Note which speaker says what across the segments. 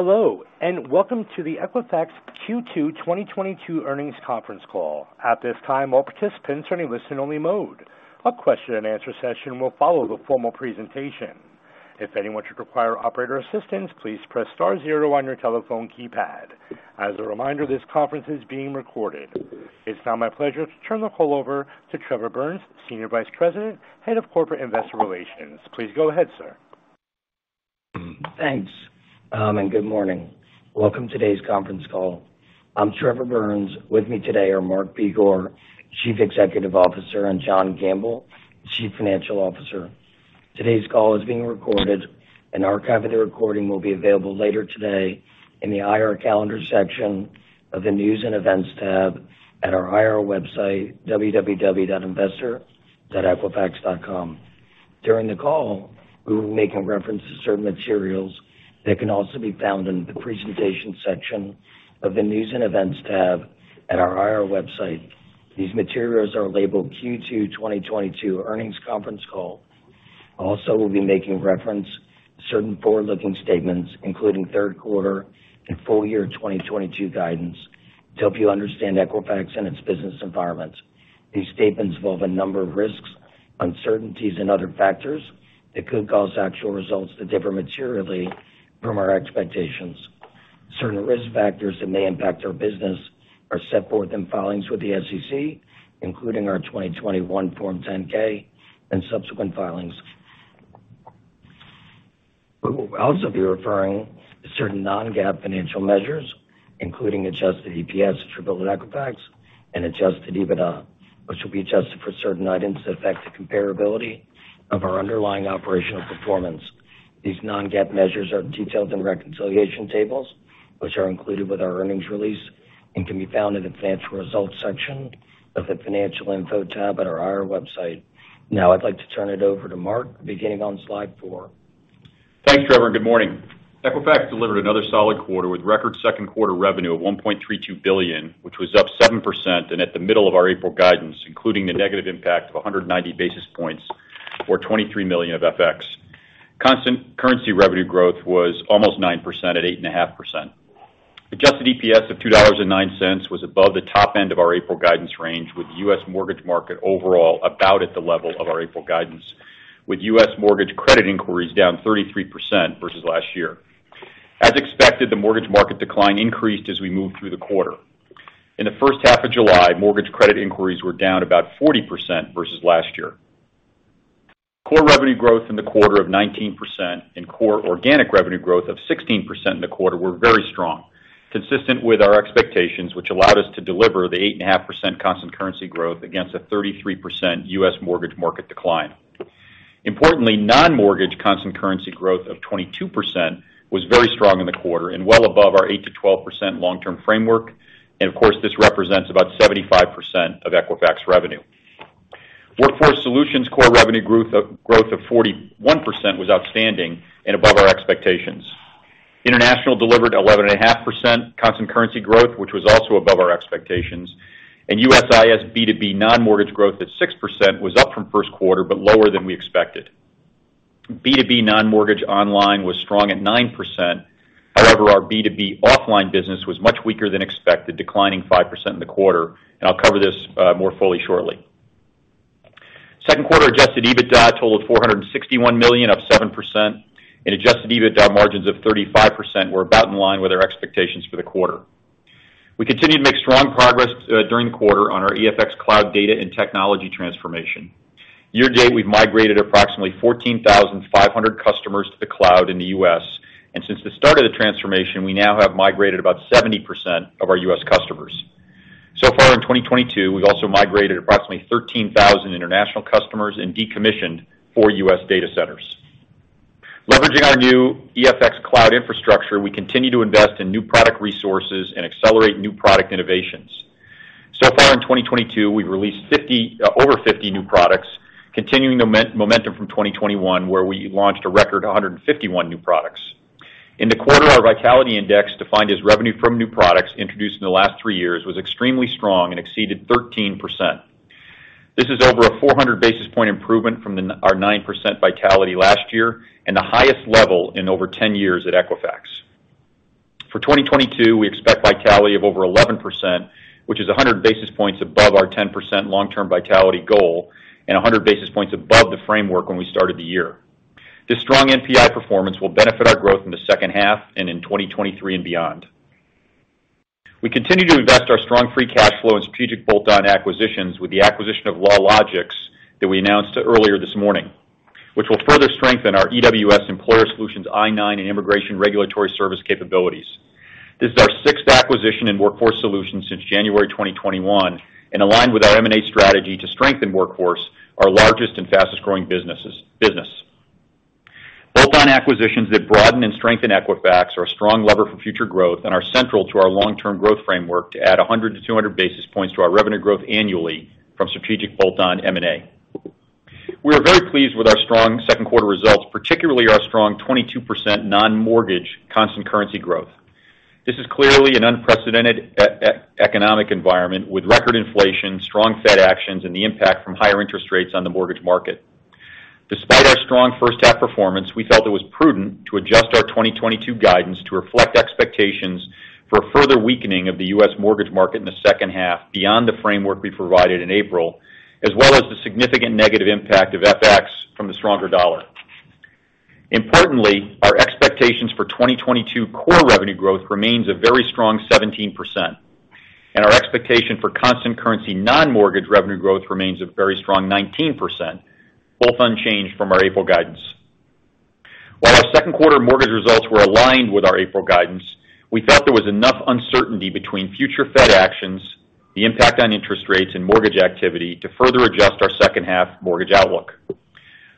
Speaker 1: Hello, and welcome to the Equifax Q2 2022 Earnings Conference Call. At this time, all participants are in listen only mode. A question-and-answer session will follow the formal presentation. If anyone should require operator assistance, please press star zero on your telephone keypad. As a reminder, this conference is being recorded. It's now my pleasure to turn the call over to Trevor Burns, Senior Vice President, Head of Corporate Investor Relations. Please go ahead, sir.
Speaker 2: Thanks, good morning. Welcome to today's conference call. I'm Trevor Burns. With me today are Mark Begor, Chief Executive Officer, and John Gamble, Chief Financial Officer. Today's call is being recorded. An archive of the recording will be available later today in the IR Calendar section of the News and Events tab at our IR website, www.investor.equifax.com. During the call, we will be making reference to certain materials that can also be found in the Presentation section of the News and Events tab at our IR website. These materials are labeled Q2 2022 Earnings Conference Call. We'll be making reference to certain forward-looking statements, including third quarter and full year 2022 guidance, to help you understand Equifax and its business environment. These statements involve a number of risks, uncertainties, and other factors that could cause actual results to differ materially from our expectations. Certain risk factors that may impact our business are set forth in filings with the SEC, including our 2021 Form 10-K and subsequent filings. We will also be referring to certain non-GAAP financial measures, including Adjusted EPS attributable to Equifax and Adjusted EBITDA, which will be adjusted for certain items that affect the comparability of our underlying operational performance. These non-GAAP measures are detailed in reconciliation tables, which are included with our earnings release and can be found in the Financial Results section of the Financial Info tab at our IR website. Now I'd like to turn it over to Mark, beginning on slide four.
Speaker 3: Thanks, Trevor, and good morning. Equifax delivered another solid quarter with record second quarter revenue of $1.32 billion, which was up 7% and at the middle of our April guidance, including the negative impact of 190 basis points or $23 million of FX. Constant currency revenue growth was almost 9% at 8.5%. Adjusted EPS of $2.09 was above the top end of our April guidance range with U.S. mortgage market overall about at the level of our April guidance, with U.S. mortgage credit inquiries down 33% versus last year. As expected, the mortgage market decline increased as we moved through the quarter. In the first half of July, mortgage credit inquiries were down about 40% versus last year. Core revenue growth in the quarter of 19% and core organic revenue growth of 16% in the quarter were very strong, consistent with our expectations, which allowed us to deliver the 8.5% constant currency growth against a 33% U.S. mortgage market decline. Importantly, non-mortgage constant currency growth of 22% was very strong in the quarter and well above our 8%-12% long-term framework. Of course, this represents about 75% of Equifax revenue. Workforce Solutions core revenue growth of 41% was outstanding and above our expectations. International delivered 11.5% constant currency growth, which was also above our expectations. USIS B2B non-mortgage growth at 6% was up from first quarter, but lower than we expected. B2B non-mortgage online was strong at 9%. However, our B2B offline business was much weaker than expected, declining 5% in the quarter, and I'll cover this more fully shortly. Second quarter Adjusted EBITDA totaled $461 million, up 7%. Adjusted EBITDA margins of 35% were about in line with our expectations for the quarter. We continued to make strong progress during the quarter on our EFX Cloud data and technology transformation. Year-to-date, we've migrated approximately 14,500 customers to the cloud in the U.S. Since the start of the transformation, we now have migrated about 70% of our U.S. customers. So far in 2022, we've also migrated approximately 13,000 international customers and decommissioned four U.S. data centers. Leveraging our new EFX Cloud infrastructure, we continue to invest in new product resources and accelerate new product innovations. So far in 2022, we've released 50, over 50 new products, continuing momentum from 2021, where we launched a record 151 new products. In the quarter, our Vitality Index, defined as revenue from new products introduced in the last three years, was extremely strong and exceeded 13%. This is over a 400 basis point improvement from our 9% Vitality Index last year and the highest level in over 10 years at Equifax. For 2022, we expect Vitality Index of over 11%, which is 100 basis points above our 10% long-term Vitality Index goal and 100 basis points above the framework when we started the year. This strong NPI performance will benefit our growth in the second half and in 2023 and beyond. We continue to invest our strong free cash flow in strategic bolt-on acquisitions with the acquisition of LawLogix that we announced earlier this morning, which will further strengthen our EWS Employer Services I-9 and immigration regulatory service capabilities. This is our sixth acquisition in Workforce Solutions since January 2021 and aligned with our M&A strategy to strengthen Workforce, our largest and fastest growing business. Bolt-on acquisitions that broaden and strengthen Equifax are a strong lever for future growth and are central to our long-term growth framework to add 100-200 basis points to our revenue growth annually from strategic bolt-on M&A. We are very pleased with our strong second quarter results, particularly our strong 22% non-mortgage constant currency growth. This is clearly an unprecedented economic environment with record inflation, strong Fed actions, and the impact from higher interest rates on the mortgage market. Despite our strong first half performance, we felt it was prudent to adjust our 2022 guidance to reflect expectations for a further weakening of the U.S. mortgage market in the second half beyond the framework we provided in April, as well as the significant negative impact of FX from the stronger dollar. Importantly, our expectations for 2022 core revenue growth remains a very strong 17%, and our expectation for constant currency non-mortgage revenue growth remains a very strong 19%, both unchanged from our April guidance. While our second quarter mortgage results were aligned with our April guidance, we felt there was enough uncertainty between future Fed actions, the impact on interest rates and mortgage activity to further adjust our second half mortgage outlook.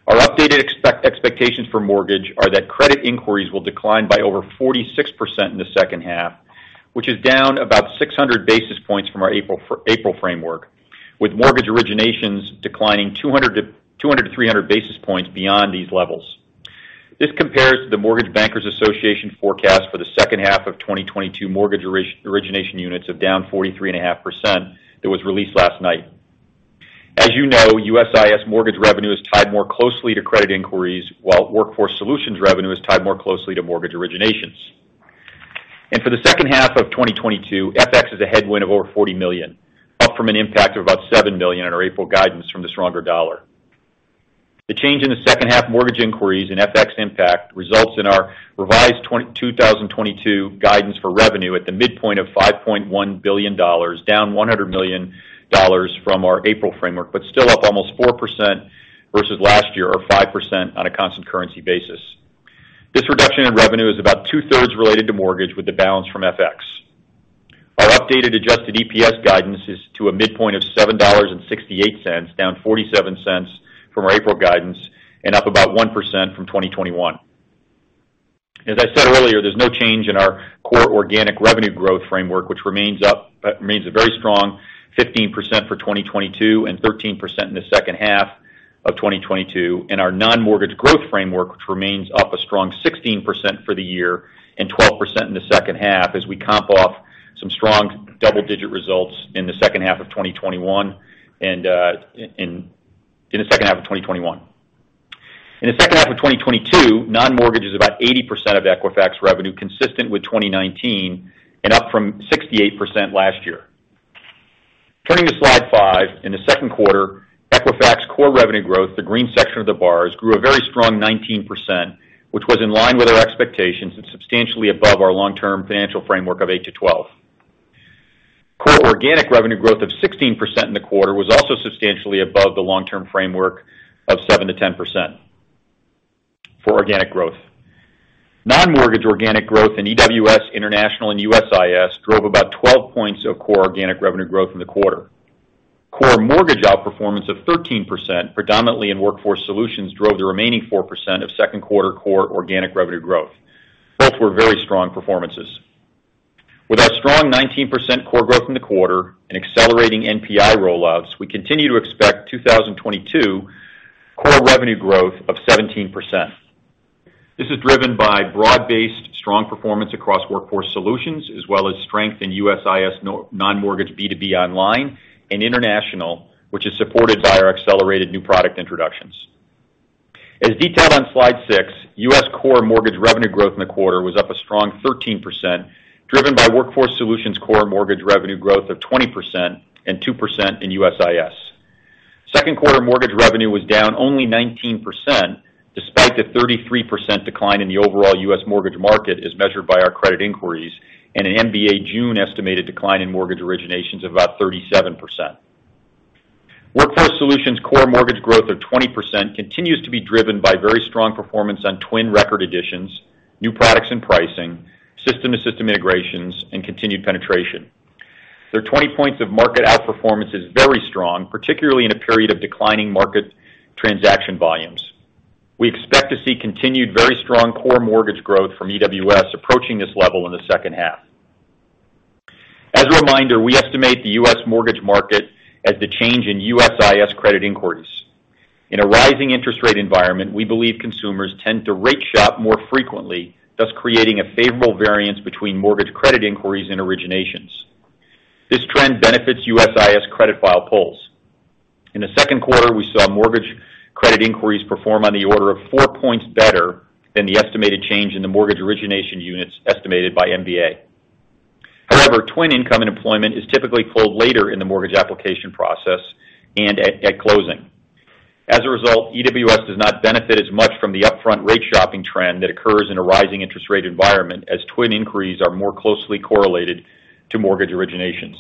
Speaker 3: Our updated expectations for mortgage are that credit inquiries will decline by over 46% in the second half, which is down about 600 basis points from our April framework, with mortgage originations declining 200-300 basis points beyond these levels. This compares to the Mortgage Bankers Association forecast for the second half of 2022 mortgage origination units of down 43.5% that was released last night. As you know, USIS mortgage revenue is tied more closely to credit inquiries, while Workforce Solutions revenue is tied more closely to mortgage originations. For the second half of 2022, FX is a headwind of over $40 million, up from an impact of about $7 million in our April guidance from the stronger dollar. The change in the second half mortgage inquiries and FX impact results in our revised 2022 guidance for revenue at the midpoint of $5.1 billion, down $100 million from our April framework, but still up almost 4% versus last year, or 5% on a constant currency basis. This reduction in revenue is about two-thirds related to mortgage with the balance from FX. Our updated Adjusted EPS guidance is to a midpoint of $7.68, down $0.47 from our April guidance and up about 1% from 2021. As I said earlier, there's no change in our core organic revenue growth framework, which remains a very strong 15% for 2022 and 13% in the second half of 2022. Our non-mortgage growth framework, which remains up a strong 16% for the year and 12% in the second half as we comp off some strong double-digit results in the second half of 2021. In the second half of 2022, non-mortgage is about 80% of Equifax revenue, consistent with 2019, and up from 68% last year. Turning to slide five, in the second quarter, Equifax core revenue growth, the green section of the bars, grew a very strong 19%, which was in line with our expectations and substantially above our long-term financial framework of 8%-12%. Core organic revenue growth of 16% in the quarter was also substantially above the long-term framework of 7%-10% for organic growth. Non-mortgage organic growth in EWS International and USIS drove about 12 points of core organic revenue growth in the quarter. Core mortgage outperformance of 13%, predominantly in Workforce Solutions, drove the remaining 4% of second quarter core organic revenue growth. Both were very strong performances. With our strong 19% core growth in the quarter and accelerating NPI roll-ups, we continue to expect 2022 core revenue growth of 17%. This is driven by broad-based strong performance across Workforce Solutions, as well as strength in USIS non-mortgage B2B online and international, which is supported by our accelerated new product introductions. As detailed on slide six, U.S. core mortgage revenue growth in the quarter was up a strong 13%, driven by Workforce Solutions core mortgage revenue growth of 20% and 2% in USIS. Second quarter mortgage revenue was down only 19% despite the 33% decline in the overall U.S. mortgage market as measured by our credit inquiries and an MBA June estimated decline in mortgage originations of about 37%. Workforce Solutions core mortgage growth of 20% continues to be driven by very strong performance on twin record additions, new products and pricing, system-to-system integrations, and continued penetration. Their 20 points of market outperformance is very strong, particularly in a period of declining market transaction volumes. We expect to see continued very strong core mortgage growth from EWS approaching this level in the second half. As a reminder, we estimate the U.S. mortgage market as the change in USIS credit inquiries. In a rising interest rate environment, we believe consumers tend to rate shop more frequently, thus creating a favorable variance between mortgage credit inquiries and originations. This trend benefits USIS credit file pulls. In the second quarter, we saw mortgage credit inquiries perform on the order of four points better than the estimated change in the mortgage origination units estimated by MBA. However, income and employment is typically pulled later in the mortgage application process and at closing. As a result, EWS does not benefit as much from the upfront rate shopping trend that occurs in a rising interest rate environment as income and employment inquiries are more closely correlated to mortgage originations.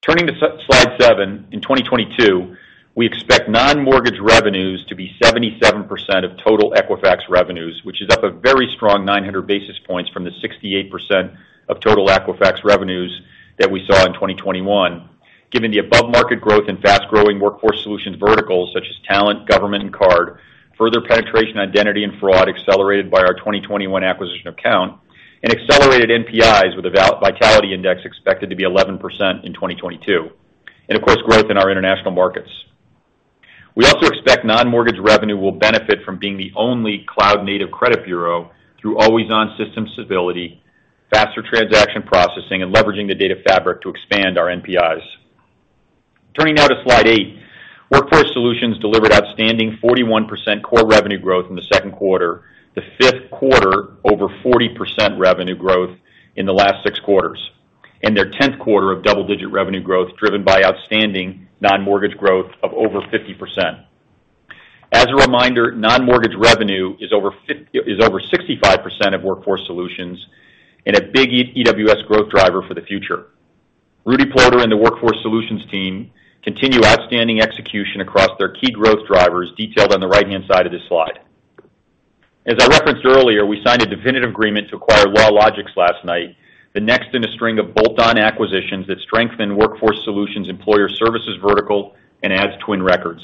Speaker 3: Turning to slide seven, in 2022, we expect non-mortgage revenues to be 77% of total Equifax revenues, which is up a very strong 900 basis points from the 68% of total Equifax revenues that we saw in 2021, given the above market growth and fast-growing Workforce Solutions verticals such as talent, government, and card, further penetration identity and fraud accelerated by our 2021 acquisition of Kount and accelerated NPIs with a Vitality Index expected to be 11% in 2022, and of course, growth in our international markets. We also expect non-mortgage revenue will benefit from being the only cloud-native credit bureau through always-on system stability, faster transaction processing, and leveraging the data fabric to expand our NPIs. Turning now to slide eight. Workforce Solutions delivered outstanding 41% core revenue growth in the second quarter, the fifth quarter over 40% revenue growth in the last six quarters, and their tenth quarter of double-digit revenue growth driven by outstanding non-mortgage growth of over 50%. As a reminder, non-mortgage revenue is over 65% of Workforce Solutions and a big EWS growth driver for the future. Rudy Porter and the Workforce Solutions team continue outstanding execution across their key growth drivers detailed on the right-hand side of this slide. As I referenced earlier, we signed a definitive agreement to acquire LawLogix last night, the next in a string of bolt-on acquisitions that strengthen Workforce Solutions' Employer Services vertical and adds twin records.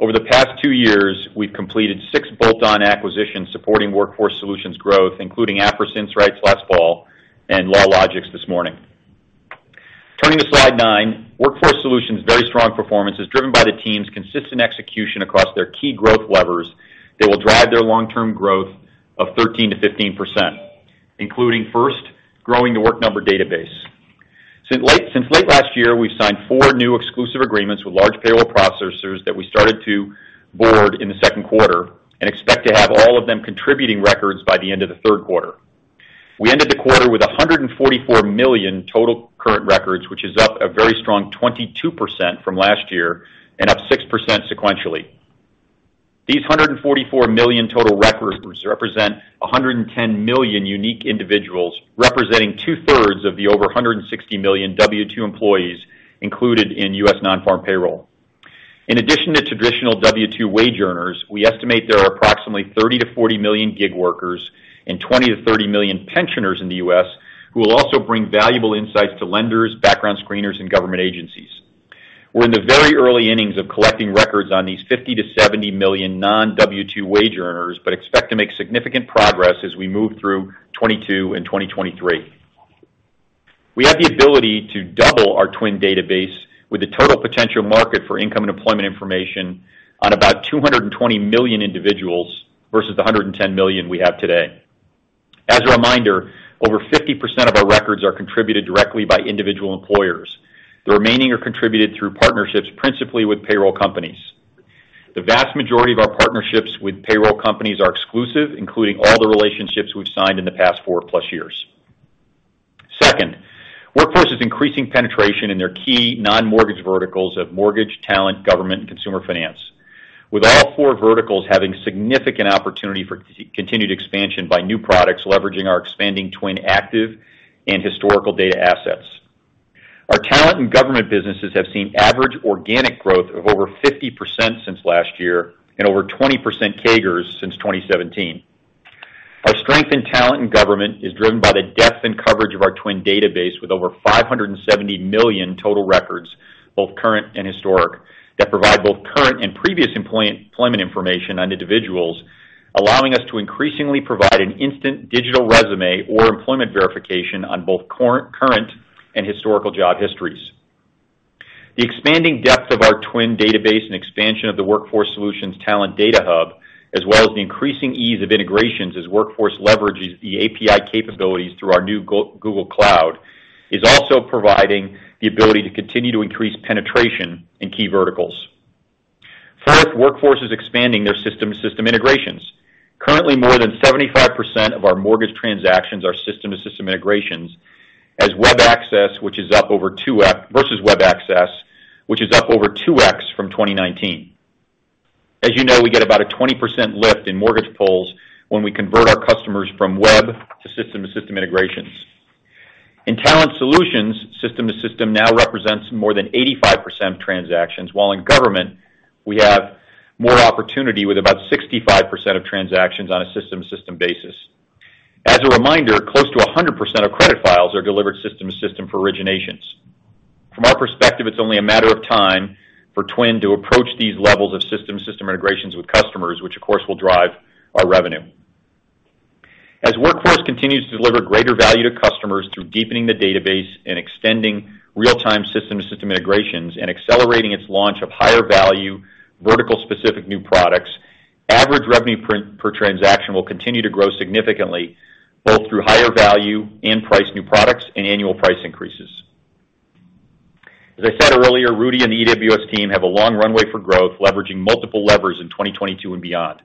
Speaker 3: Over the past two years, we've completed six bolt-on acquisitions supporting Workforce Solutions growth, including Appriss Insights last fall and LawLogix this morning. Turning to slide nine. Workforce Solutions' very strong performance is driven by the team's consistent execution across their key growth levers that will drive their long-term growth of 13%-15%, including first, growing The Work Number database. Since late last year, we've signed four new exclusive agreements with large payroll processors that we started to board in the second quarter and expect to have all of them contributing records by the end of the third quarter. We ended the quarter with 144 million total current records, which is up a very strong 22% from last year and up 6% sequentially. These 144 million total current records represent 110 million unique individuals, representing two-thirds of the over 160 million W-2 employees included in U.S. non-farm payroll. In addition to traditional W-2 wage earners, we estimate there are approximately 30 million-40 million gig workers and 20 million-30 million pensioners in the U.S. who will also bring valuable insights to lenders, background screeners, and government agencies. We're in the very early innings of collecting records on these 50 million-70 million non-W-2 wage earners, but expect to make significant progress as we move through 2022 and 2023. We have the ability to double our TWN database with a total potential market for income and employment information on about 220 million individuals versus the 110 million we have today. As a reminder, over 50% of our records are contributed directly by individual employers. The remaining are contributed through partnerships, principally with payroll companies. The vast majority of our partnerships with payroll companies are exclusive, including all the relationships we've signed in the past four-plus years. Second, Workforce is increasing penetration in their key non-mortgage verticals of mortgage, talent, government, and consumer finance, with all four verticals having significant opportunity for continued expansion by new products leveraging our expanding TWN active and historical data assets. Our talent in government businesses have seen average organic growth of over 50% since last year and over 20% CAGRs since 2017. Our strength in talent and government is driven by the depth and coverage of our TWN database, with over 570 million total records, both current and historic, that provide both current and previous employment information on individuals, allowing us to increasingly provide an instant digital resume or employment verification on both current and historical job histories. The expanding depth of our TWN database and expansion of the Workforce Solutions talent data hub, as well as the increasing ease of integrations as Workforce leverages the API capabilities through our new Google Cloud, is also providing the ability to continue to increase penetration in key verticals. First, Workforce is expanding their system-to-system integrations. Currently, more than 75% of our mortgage transactions are system-to-system integrations versus web access, which is up over 2x from 2019. As you know, we get about a 20% lift in mortgage pulls when we convert our customers from web to system-to-system integrations. In Talent Solutions, system-to-system now represents more than 85% of transactions, while in Government, we have more opportunity with about 65% of transactions on a system-to-system basis. As a reminder, close to 100% of credit files are delivered system-to-system for originations. From our perspective, it's only a matter of time for TWN to approach these levels of system-to-system integrations with customers, which of course will drive our revenue. Workforce continues to deliver greater value to customers through deepening the database and extending real-time system-to-system integrations and accelerating its launch of higher value, vertical specific new products, average revenue per transaction will continue to grow significantly, both through higher value and price new products and annual price increases. As I said earlier, Rudy and the EWS team have a long runway for growth, leveraging multiple levers in 2022 and beyond.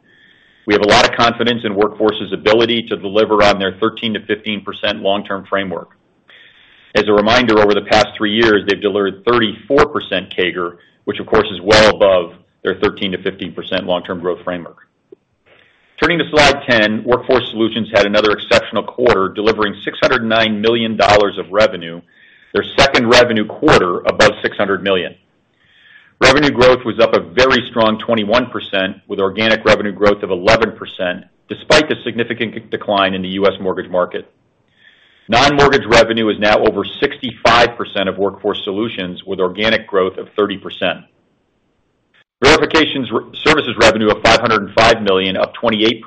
Speaker 3: We have a lot of confidence in Workforce's ability to deliver on their 13%-15% long-term framework. As a reminder, over the past three years, they've delivered 34% CAGR, which of course is well above their 13%-15% long-term growth framework. Turning to slide 10. Workforce Solutions had another exceptional quarter, delivering $609 million of revenue, their second revenue quarter above $600 million. Revenue growth was up a very strong 21%, with organic revenue growth of 11%, despite the significant decline in the U.S. mortgage market. Non-mortgage revenue is now over 65% of Workforce Solutions, with organic growth of 30%. Verification Services revenue of $505 million, up 28%,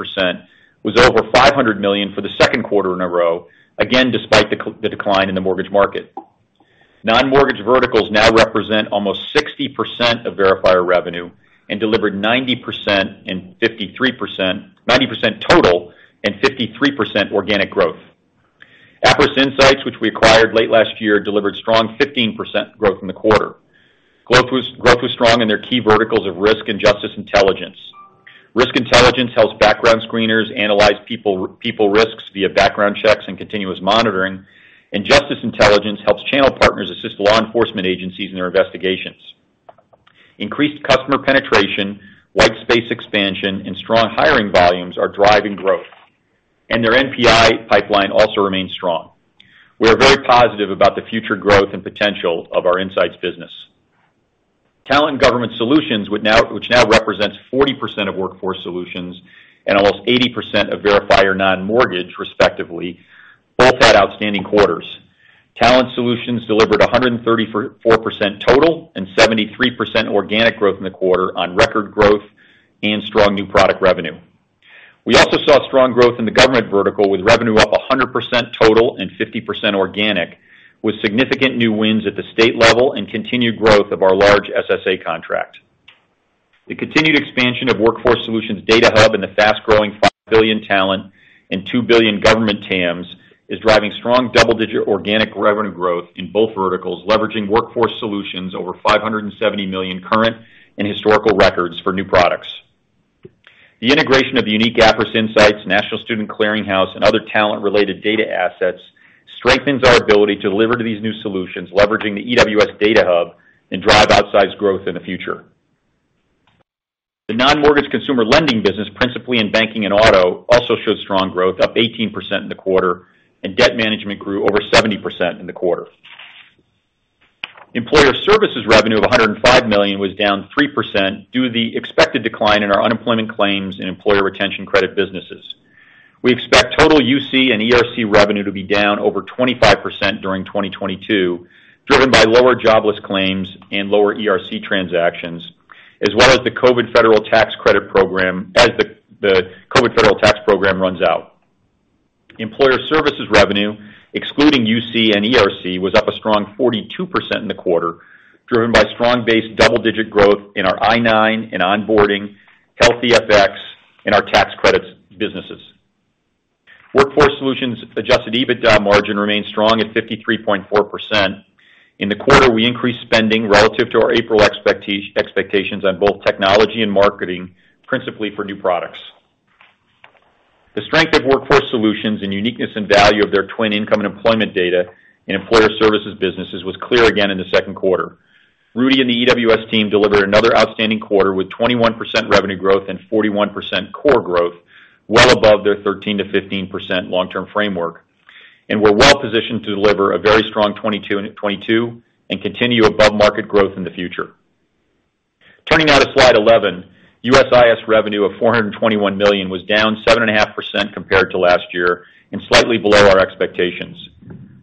Speaker 3: was over $500 million for the second quarter in a row, again, despite the decline in the mortgage market. Non-mortgage verticals now represent almost 60% of Verifier revenue and delivered 90% total and 53% organic growth. Appriss Insights, which we acquired late last year, delivered strong 15% growth in the quarter. Growth was strong in their key verticals of risk and justice intelligence. Risk intelligence helps background screeners analyze people risks via background checks and continuous monitoring. Justice intelligence helps channel partners assist law enforcement agencies in their investigations. Increased customer penetration, white space expansion, and strong hiring volumes are driving growth. Their NPI pipeline also remains strong. We are very positive about the future growth and potential of our insights business. Talent Government Solutions, which now represents 40% of Workforce Solutions and almost 80% of Verifier non-mortgage respectively, both had outstanding quarters. Talent Solutions delivered 134% total and 73% organic growth in the quarter on record growth and strong new product revenue. We also saw strong growth in the government vertical, with revenue up 100% total and 50% organic, with significant new wins at the state level and continued growth of our large SSA contract. The continued expansion of Workforce Solutions' data hub in the fast-growing $5 billion talent and $2 billion government TAMs is driving strong double-digit organic revenue growth in both verticals, leveraging Workforce Solutions' over 570 million current and historical records for new products. The integration of the unique Appriss Insights, National Student Clearinghouse, and other talent-related data assets strengthens our ability to deliver to these new solutions, leveraging the EWS data hub and drive outsized growth in the future. The non-mortgage consumer lending business, principally in banking and auto, also shows strong growth, up 18% in the quarter, and debt management grew over 70% in the quarter. Employer Services revenue of $105 million was down 3% due to the expected decline in our unemployment claims and employee retention credit businesses. We expect total UC and ERC revenue to be down over 25% during 2022, driven by lower jobless claims and lower ERC transactions, as well as the COVID Federal Tax Credit Program as the COVID Federal Tax Program runs out. Employer Services revenue, excluding UC and ERC, was up a strong 42% in the quarter, driven by strong base double-digit growth in our I-9 and onboarding, healthy FX, and our tax credits businesses. Workforce Solutions' Adjusted EBITDA margin remains strong at 53.4%. In the quarter, we increased spending relative to our April expectations on both technology and marketing, principally for new products. The strength of Workforce Solutions and uniqueness and value of their twin income and employment data and Employer Services businesses was clear again in the second quarter. Rudy and the EWS team delivered another outstanding quarter with 21% revenue growth and 41% core growth, well above their 13%-15% long-term framework. We're well positioned to deliver a very strong 2022 and continue above-market growth in the future. Turning now to slide 11, USIS revenue of $421 million was down 7.5% compared to last year and slightly below our expectations.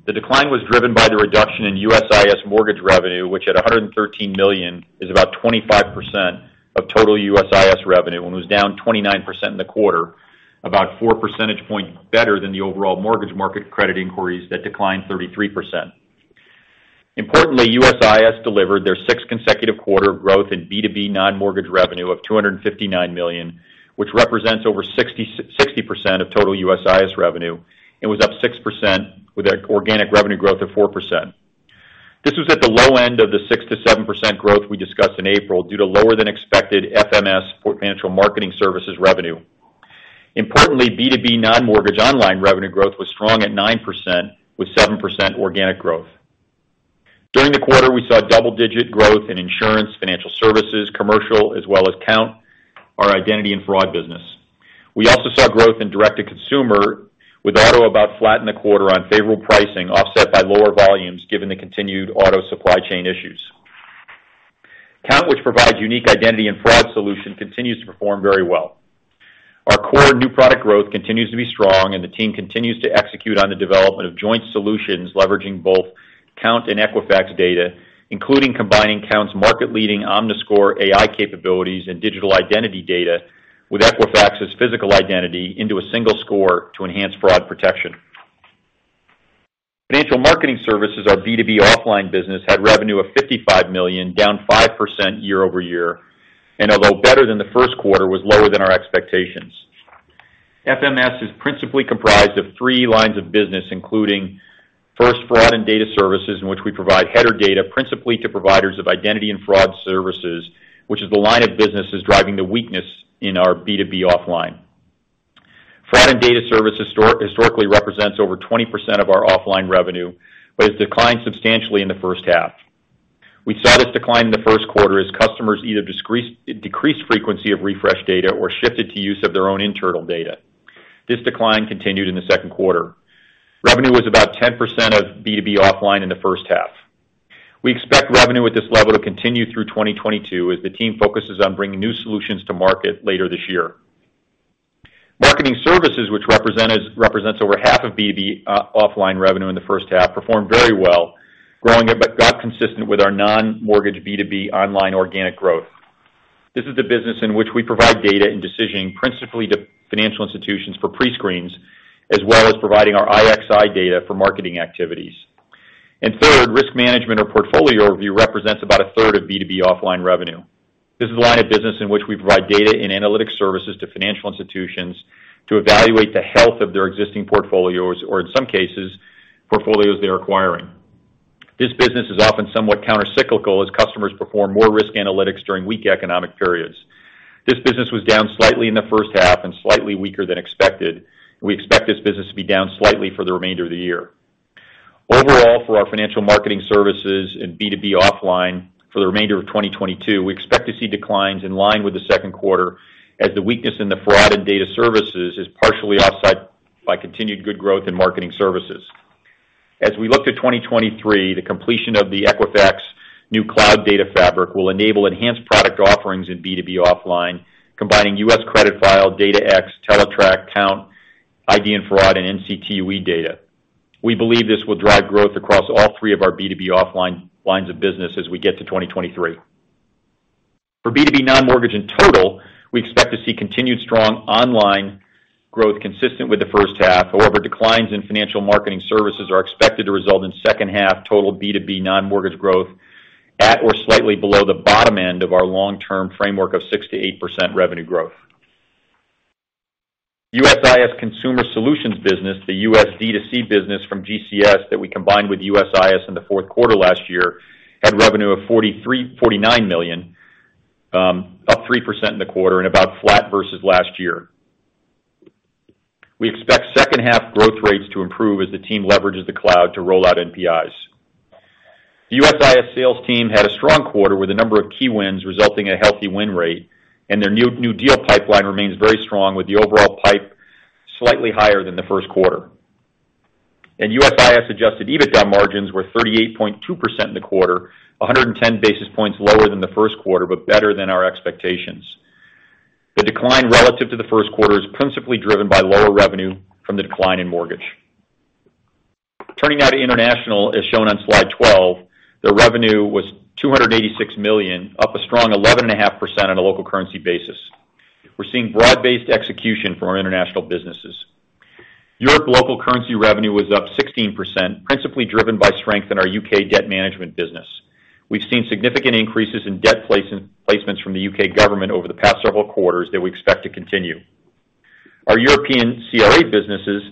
Speaker 3: The decline was driven by the reduction in USIS mortgage revenue, which at $113 million, is about 25% of total USIS revenue and was down 29% in the quarter, about 4 percentage points better than the overall mortgage market credit inquiries that declined 33%. Importantly, USIS delivered their sixth consecutive quarter of growth in B2B non-mortgage revenue of $259 million, which represents over 60% of total USIS revenue and was up 6% with an organic revenue growth of 4%. This was at the low end of the 6%-7% growth we discussed in April due to lower than expected FMS, or Financial Marketing Services revenue. Importantly, B2B non-mortgage online revenue growth was strong at 9%, with 7% organic growth. During the quarter, we saw double-digit growth in insurance, financial services, commercial, as well as Kount, our identity and fraud business. We also saw growth in direct-to-consumer, with auto about flat in the quarter on favorable pricing offset by lower volumes given the continued auto supply chain issues. Kount, which provides unique identity and fraud solution, continues to perform very well. Our core new product growth continues to be strong and the team continues to execute on the development of joint solutions leveraging both Kount and Equifax data, including combining Kount's market-leading Omniscore AI capabilities and digital identity data with Equifax's physical identity into a single score to enhance fraud protection. Financial Marketing Services, our B2B offline business, had revenue of $55 million, down 5% year-over-year, and although better than the first quarter, was lower than our expectations. FMS is principally comprised of three lines of business, including first, fraud and data services, in which we provide header data principally to providers of identity and fraud services, which is the line of business that's driving the weakness in our B2B offline. Fraud and data services historically represents over 20% of our offline revenue, but has declined substantially in the first half. We saw this decline in the first quarter as customers either decreased frequency of refresh data or shifted to use of their own internal data. This decline continued in the second quarter. Revenue was about 10% of B2B offline in the first half. We expect revenue at this level to continue through 2022 as the team focuses on bringing new solutions to market later this year. Marketing services, which represents over half of B2B offline revenue in the first half, performed very well, growing about consistent with our non-mortgage B2B online organic growth. This is the business in which we provide data and decision principally to financial institutions for pre-screens, as well as providing our IXI data for marketing activities. Third, risk management or portfolio review represents about a third of B2B offline revenue. This is a line of business in which we provide data and analytics services to financial institutions to evaluate the health of their existing portfolios or, in some cases, portfolios they're acquiring. This business is often somewhat countercyclical as customers perform more risk analytics during weak economic periods. This business was down slightly in the first half and slightly weaker than expected. We expect this business to be down slightly for the remainder of the year. Overall, for our Financial Marketing Services and B2B offline for the remainder of 2022, we expect to see declines in line with the second quarter as the weakness in the fraud and data services is partially offset by continued good growth in marketing services. As we look to 2023, the completion of the Equifax new cloud data fabric will enable enhanced product offerings in B2B offline, combining U.S. credit file, DataX, Teletrack, Kount, ID and Fraud, and NCTUE data. We believe this will drive growth across all three of our B2B offline lines of business as we get to 2023. For B2B non-mortgage in total, we expect to see continued strong online growth consistent with the first half. However, declines in Financial Marketing Services are expected to result in second half total B2B non-mortgage growth at or slightly below the bottom end of our long-term framework of 6%-8% revenue growth. USIS Consumer Solutions business, the U.S. D2C business from GCS that we combined with USIS in the fourth quarter last year, had revenue of $49 million, up 3% in the quarter and about flat versus last year. We expect second half growth rates to improve as the team leverages the cloud to roll out NPIs. The USIS sales team had a strong quarter with a number of key wins resulting in a healthy win rate, and their new deal pipeline remains very strong with the overall pipe slightly higher than the first quarter. USIS Adjusted EBITDA margins were 38.2% in the quarter, 110 basis points lower than the first quarter, but better than our expectations. The decline relative to the first quarter is principally driven by lower revenue from the decline in mortgage. Turning now to international, as shown on slide 12, their revenue was $286 million, up a strong 11.5% on a local currency basis. We're seeing broad-based execution from our international businesses. Europe local currency revenue was up 16%, principally driven by strength in our U.K. debt management business. We've seen significant increases in debt placements from the U.K. government over the past several quarters that we expect to continue. Our European CRA businesses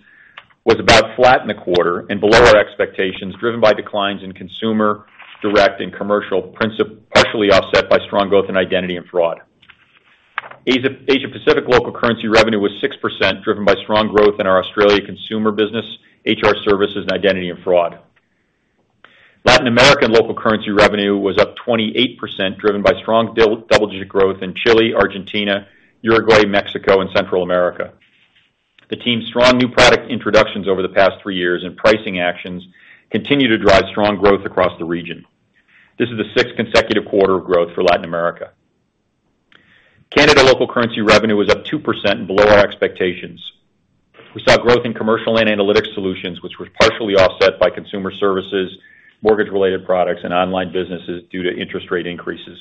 Speaker 3: was about flat in the quarter and below our expectations, driven by declines in consumer, direct, and commercial, partially offset by strong growth in identity and fraud. Asia Pacific local currency revenue was 6%, driven by strong growth in our Australia consumer business, HR services, and identity and fraud. Latin America local currency revenue was up 28%, driven by strong double-digit growth in Chile, Argentina, Uruguay, Mexico, and Central America. The team's strong new product introductions over the past three years and pricing actions continue to drive strong growth across the region. This is the sixth consecutive quarter of growth for Latin America. Canada local currency revenue was up 2% and below our expectations. We saw growth in commercial and analytics solutions, which were partially offset by consumer services, mortgage-related products, and online businesses due to interest rate increases.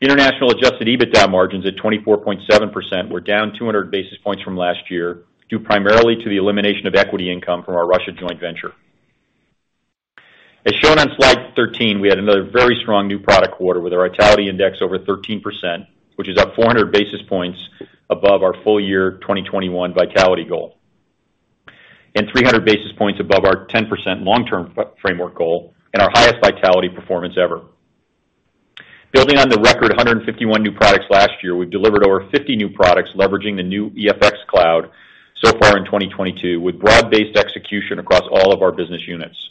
Speaker 3: International Adjusted EBITDA margins at 24.7% were down 200 basis points from last year, due primarily to the elimination of equity income from our Russia joint venture. As shown on slide 13, we had another very strong new product quarter with our Vitality Index over 13%, which is up 400 basis points above our full year 2021 Vitality goal and 300 basis points above our 10% long-term framework goal and our highest vitality performance ever. Building on the record 151 new products last year, we've delivered over 50 new products leveraging the new EFX Cloud so far in 2022 with broad-based execution across all of our business units.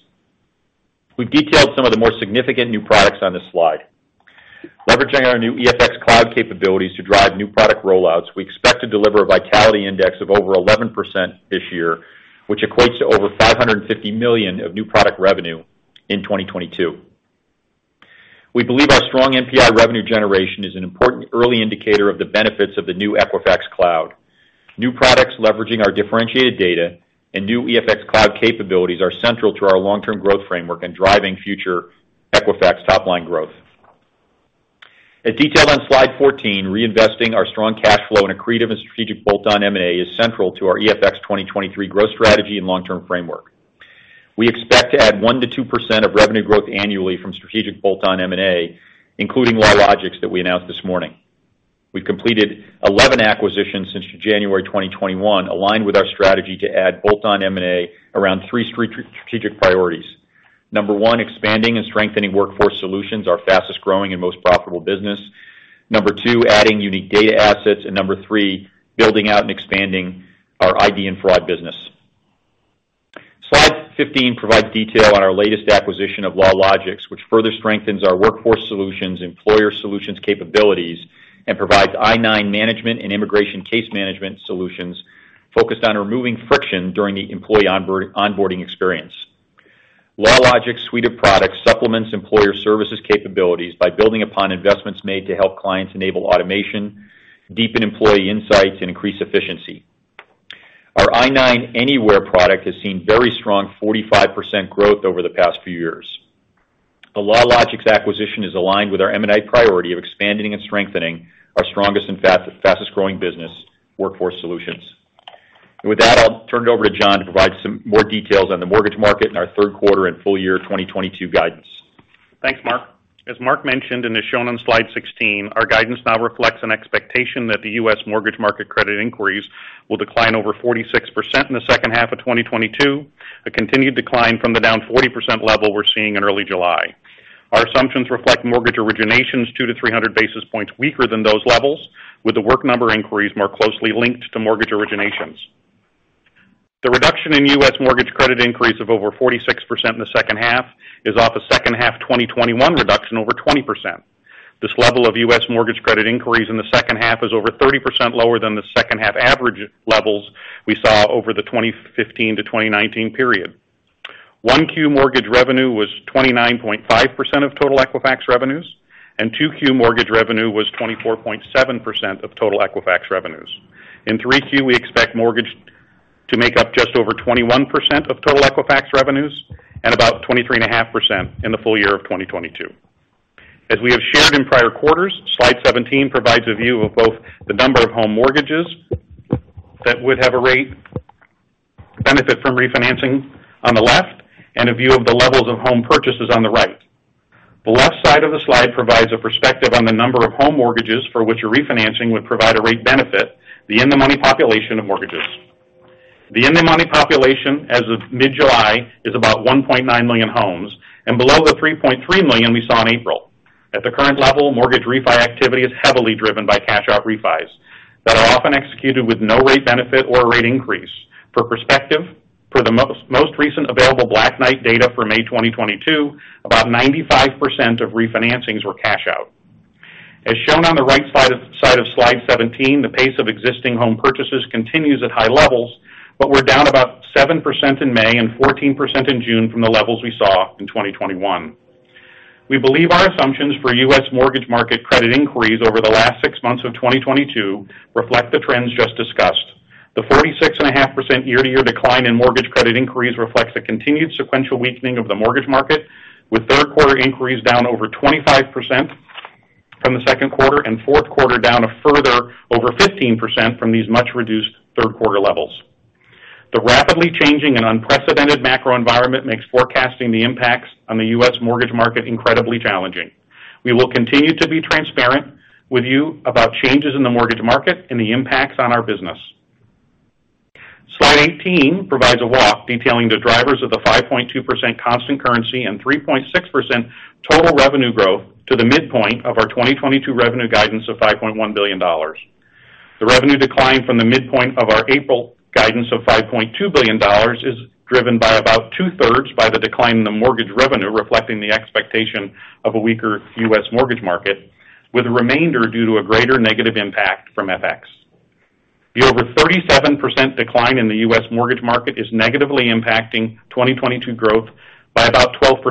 Speaker 3: We've detailed some of the more significant new products on this slide. Leveraging our new EFX Cloud capabilities to drive new product rollouts, we expect to deliver a Vitality Index of over 11% this year, which equates to over $550 million of new product revenue in 2022. We believe our strong NPI revenue generation is an important early indicator of the benefits of the new Equifax Cloud. New products leveraging our differentiated data and new EFX Cloud capabilities are central to our long-term growth framework and driving future Equifax top-line growth. As detailed on slide 14, reinvesting our strong cash flow in accretive and strategic bolt-on M&A is central to our EFX 2023 growth strategy and long-term framework. We expect to add 1%-2% of revenue growth annually from strategic bolt-on M&A, including LawLogix that we announced this morning. We've completed 11 acquisitions since January 2021, aligned with our strategy to add bolt-on M&A around three strategic priorities. Number one, expanding and strengthening Workforce Solutions, our fastest-growing and most profitable business. Number two, adding unique data assets. Number three, building out and expanding our ID and fraud business. Slide 15 provides detail on our latest acquisition of LawLogix, which further strengthens our Workforce Solutions, Employer Services capabilities, and provides I-9 management and immigration case management solutions focused on removing friction during the employee onboarding experience. LawLogix suite of products supplements Employer Services capabilities by building upon investments made to help clients enable automation, deepen employee insights, and increase efficiency. I-9 Anywhere product has seen very strong 45% growth over the past few years. The LawLogix acquisition is aligned with our M&A priority of expanding and strengthening our strongest and fastest-growing business Workforce Solutions. With that, I'll turn it over to John to provide some more details on the mortgage market and our third quarter and full year 2022 guidance.
Speaker 4: Thanks, Mark. As Mark mentioned, and as shown on slide 16, our guidance now reflects an expectation that the U.S. mortgage market credit inquiries will decline over 46% in the second half of 2022, a continued decline from the down 40% level we're seeing in early July. Our assumptions reflect mortgage originations 200-300 basis points weaker than those levels, with The Work Number inquiries more closely linked to mortgage originations. The reduction in U.S. mortgage credit inquiries of over 46% in the second half is off a second half 2021 reduction over 20%. This level of U.S. mortgage credit inquiries in the second half is over 30% lower than the second half average levels we saw over the 2015-2019 period. 1Q mortgage revenue was 29.5% of total Equifax revenues, and 2Q mortgage revenue was 24.7% of total Equifax revenues. In 3Q, we expect mortgage to make up just over 21% of total Equifax revenues and about 23.5% in the full year of 2022. As we have shared in prior quarters, slide 17 provides a view of both the number of home mortgages that would have a rate benefit from refinancing on the left, and a view of the levels of home purchases on the right. The left side of the slide provides a perspective on the number of home mortgages for which a refinancing would provide a rate benefit, the in-the-money population of mortgages. The in-the-money population as of mid-July is about 1.9 million homes, below the 3.3 million we saw in April. At the current level, mortgage refi activity is heavily driven by cash out refis that are often executed with no rate benefit or rate increase. For perspective, the most recent available Black Knight data for May 2022, about 95% of refinancings were cash out. As shown on the right side of slide 17, the pace of existing home purchases continues at high levels, but we're down about 7% in May and 14% in June from the levels we saw in 2021. We believe our assumptions for U.S. mortgage market credit inquiries over the last six months of 2022 reflect the trends just discussed. The 46.5% year-to-year decline in mortgage credit inquiries reflects a continued sequential weakening of the mortgage market, with third quarter inquiries down over 25% from the second quarter and fourth quarter down a further over 15% from these much reduced third quarter levels. The rapidly changing and unprecedented macro environment makes forecasting the impacts on the U.S. mortgage market incredibly challenging. We will continue to be transparent with you about changes in the mortgage market and the impacts on our business. Slide 18 provides a walk detailing the drivers of the 5.2% constant currency and 3.6% total revenue growth to the midpoint of our 2022 revenue guidance of $5.1 billion. The revenue decline from the midpoint of our April guidance of $5.2 billion is driven by about two-thirds by the decline in the mortgage revenue, reflecting the expectation of a weaker U.S. mortgage market, with a remainder due to a greater negative impact from FX. The over 37% decline in the U.S. mortgage market is negatively impacting 2022 growth by about 12%,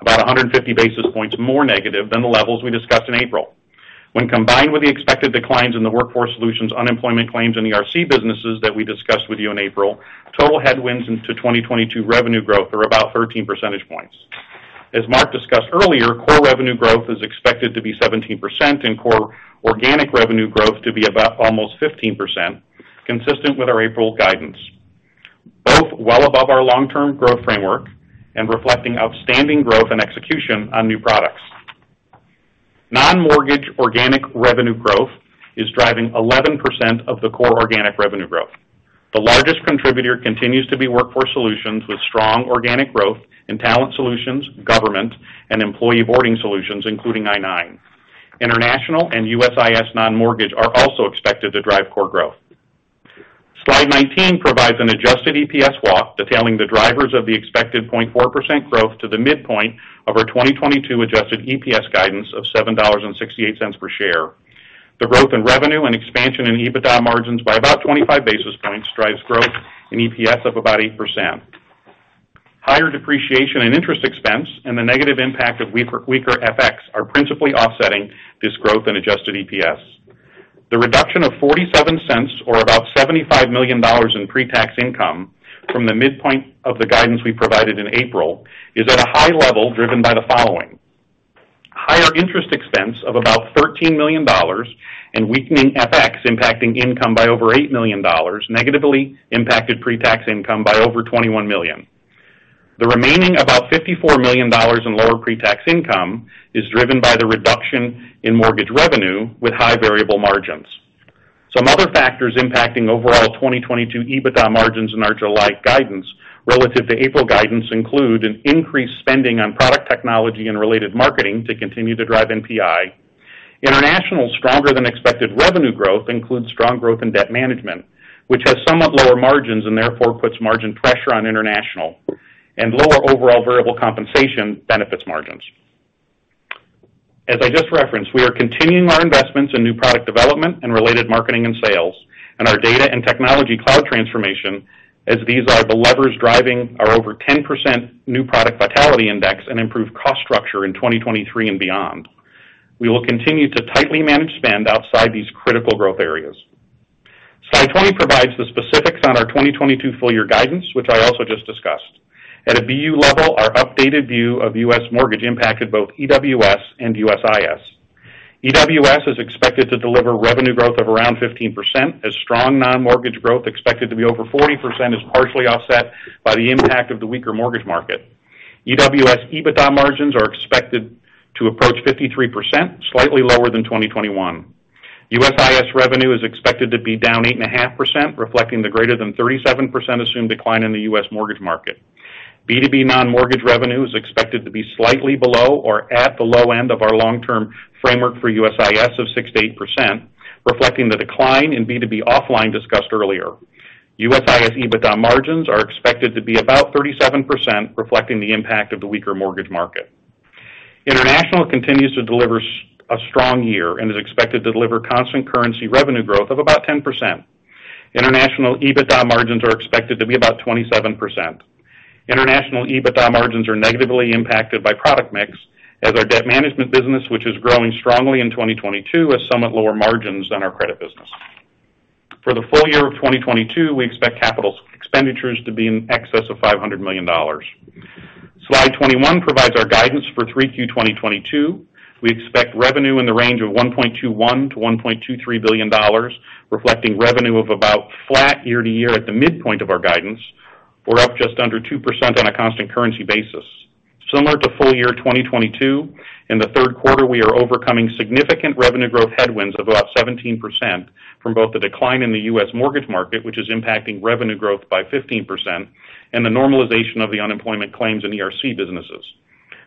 Speaker 4: about 150 basis points more negative than the levels we discussed in April. When combined with the expected declines in the Workforce Solutions unemployment claims and ERC businesses that we discussed with you in April, total headwinds into 2022 revenue growth are about 13 percentage points. As Mark discussed earlier, core revenue growth is expected to be 17% and core organic revenue growth to be about almost 15%, consistent with our April guidance, both well above our long-term growth framework and reflecting outstanding growth and execution on new products. Non-mortgage organic revenue growth is driving 11% of the core organic revenue growth. The largest contributor continues to be Workforce Solutions with strong organic growth in Talent Solutions, government, and employee onboarding solutions, including I-9. International and USIS non-mortgage are also expected to drive core growth. Slide 19 provides an Adjusted EPS walk detailing the drivers of the expected 0.4% growth to the midpoint of our 2022 Adjusted EPS guidance of $7.68 per share. The growth in revenue and expansion in EBITDA margins by about 25 basis points drives growth in EPS of about 8%. Higher depreciation and interest expense and the negative impact of weaker FX are principally offsetting this growth in Adjusted EPS. The reduction of $0.47 or about $75 million in pre-tax income from the midpoint of the guidance we provided in April is at a high level driven by the following. Higher interest expense of about $13 million and weakening FX impacting income by over $8 million negatively impacted pre-tax income by over $21 million. The remaining about $54 million in lower pre-tax income is driven by the reduction in mortgage revenue with high variable margins. Some other factors impacting overall 2022 EBITDA margins in our July guidance relative to April guidance include an increased spending on product technology and related marketing to continue to drive NPI. International's stronger than expected revenue growth includes strong growth in debt management, which has somewhat lower margins and therefore puts margin pressure on international and lower overall variable compensation benefits margins. As I just referenced, we are continuing our investments in new product development and related marketing and sales, and our data and technology cloud transformation as these are the levers driving our over 10% new product Vitality Index and improved cost structure in 2023 and beyond. We will continue to tightly manage spend outside these critical growth areas. Slide 20 provides the specifics on our 2022 full year guidance, which I also just discussed. At a BU level, our updated view of U.S. mortgage impacted both EWS and USIS. EWS is expected to deliver revenue growth of around 15%, as strong non-mortgage growth expected to be over 40% is partially offset by the impact of the weaker mortgage market. EWS EBITDA margins are expected to approach 53%, slightly lower than 2021. USIS revenue is expected to be down 8.5%, reflecting the greater than 37% assumed decline in the U.S. mortgage market. B2B non-mortgage revenue is expected to be slightly below or at the low end of our long-term framework for USIS of 6%-8%, reflecting the decline in B2B offline discussed earlier. USIS EBITDA margins are expected to be about 37%, reflecting the impact of the weaker mortgage market. International continues to deliver a strong year and is expected to deliver constant currency revenue growth of about 10%. International EBITDA margins are expected to be about 27%. International EBITDA margins are negatively impacted by product mix as our debt management business, which is growing strongly in 2022, has somewhat lower margins than our credit business. For the full year of 2022, we expect capital expenditures to be in excess of $500 million. Slide 21 provides our guidance for 3Q 2022. We expect revenue in the range of $1.21 billion-$1.23 billion, reflecting revenue of about flat year-to-year at the midpoint of our guidance, or up just under 2% on a constant currency basis. Similar to full year 2022, in the third quarter, we are overcoming significant revenue growth headwinds of about 17% from both the decline in the U.S. mortgage market, which is impacting revenue growth by 15%, and the normalization of the unemployment claims in ERC businesses.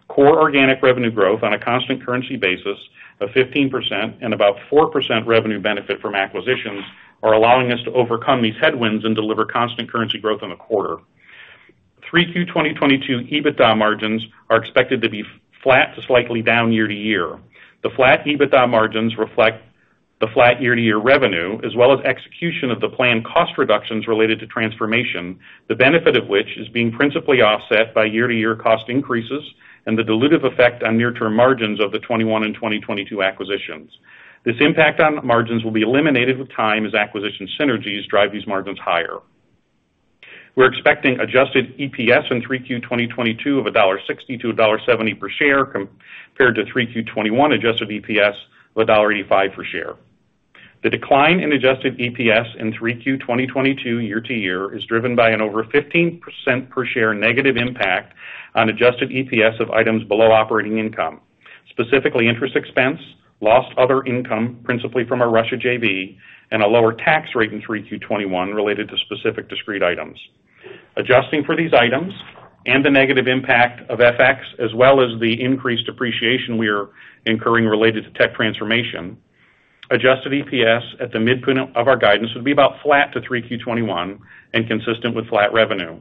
Speaker 4: Core organic revenue growth on a constant currency basis of 15% and about 4% revenue benefit from acquisitions are allowing us to overcome these headwinds and deliver constant currency growth in the quarter. 3Q 2022 EBITDA margins are expected to be flat to slightly down year-over-year. The flat EBITDA margins reflect the flat year-to-year revenue as well as execution of the planned cost reductions related to transformation, the benefit of which is being principally offset by year-to-year cost increases and the dilutive effect on near-term margins of the 2021 and 2022 acquisitions. This impact on margins will be eliminated with time as acquisition synergies drive these margins higher. We're expecting Adjusted EPS in 3Q 2022 of $1.60-$1.70 per share compared to 3Q 2021 Adjusted EPS of $1.85 per share. The decline in Adjusted EPS in 3Q 2022 year-over-year is driven by an over 15% per share negative impact on Adjusted EPS of items below operating income, specifically interest expense, lost other income, principally from our Russia JV, and a lower tax rate in 3Q 2021 related to specific discrete items. Adjusting for these items and the negative impact of FX as well as the increased depreciation we are incurring related to tech transformation, Adjusted EPS at the midpoint of our guidance would be about flat to 3Q 2021 and consistent with flat revenue.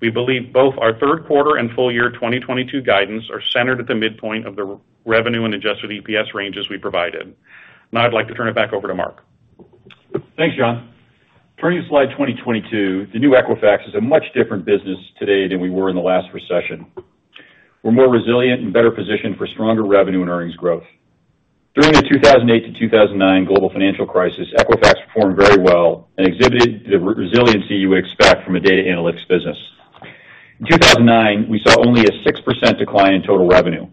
Speaker 4: We believe both our third quarter and full year 2022 guidance are centered at the midpoint of the revenue and Adjusted EPS ranges we provided. Now I'd like to turn it back over to Mark.
Speaker 3: Thanks, John. Turning to slide 22, the new Equifax is a much different business today than we were in the last recession. We're more resilient and better positioned for stronger revenue and earnings growth. During the 2008-2009 global financial crisis, Equifax performed very well and exhibited the resiliency you would expect from a data analytics business. In 2009, we saw only a 6% decline in total revenue.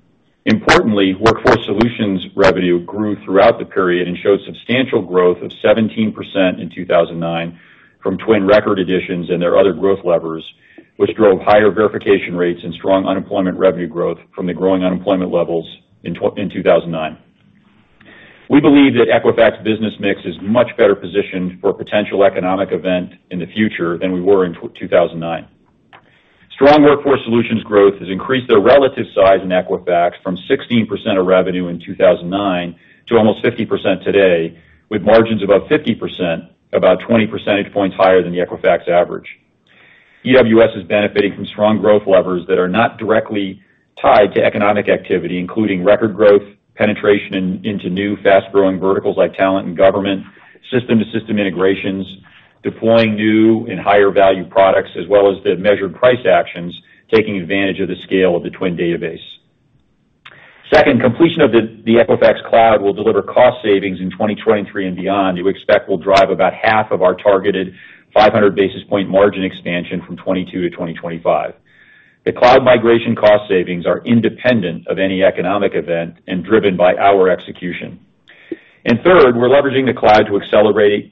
Speaker 3: Importantly, Workforce Solutions revenue grew throughout the period and showed substantial growth of 17% in 2009 from twin record additions and their other growth levers, which drove higher verification rates and strong unemployment revenue growth from the growing unemployment levels in 2009. We believe that Equifax business mix is much better positioned for a potential economic event in the future than we were in 2009. Strong Workforce Solutions growth has increased their relative size in Equifax from 16% of revenue in 2009 to almost 50% today, with margins above 50%, about 20 percentage points higher than the Equifax average. EWS is benefiting from strong growth levers that are not directly tied to economic activity, including record growth, penetration into new fast-growing verticals like talent and government, system-to-system integrations, deploying new and higher value products, as well as the measured price actions taking advantage of the scale of the twin database. Second, completion of the Equifax Cloud will deliver cost savings in 2023 and beyond we expect will drive about half of our targeted 500 basis point margin expansion from 2022 to 2025. The cloud migration cost savings are independent of any economic event and driven by our execution. Third, we're leveraging the cloud to accelerate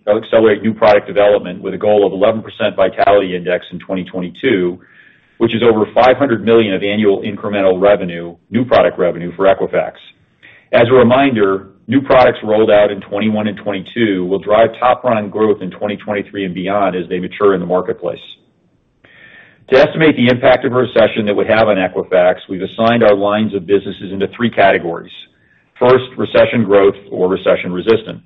Speaker 3: new product development with a goal of 11% Vitality Index in 2022, which is over $500 million of annual incremental revenue, new product revenue for Equifax. As a reminder, new products rolled out in 2021 and 2022 will drive top line growth in 2023 and beyond as they mature in the marketplace. To estimate the impact of a recession that would have on Equifax, we've assigned our lines of businesses into three categories. First, recession growth or recession resistant.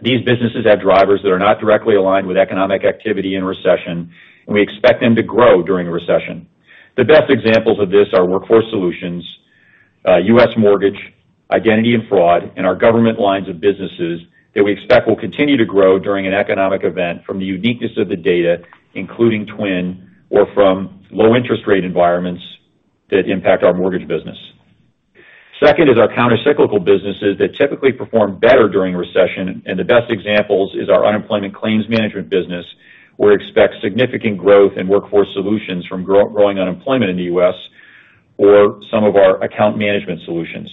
Speaker 3: These businesses have drivers that are not directly aligned with economic activity in recession, and we expect them to grow during a recession. The best examples of this are Workforce Solutions, U.S. Mortgage, Identity and Fraud, and our government lines of business that we expect will continue to grow during an economic event from the uniqueness of the data, including TWN or from low interest rate environments that impact our mortgage business. Second is our countercyclical businesses that typically perform better during recession, and the best examples is our unemployment claims management business, where expect significant growth in Workforce Solutions from growing unemployment in the U.S. or some of our account management solutions.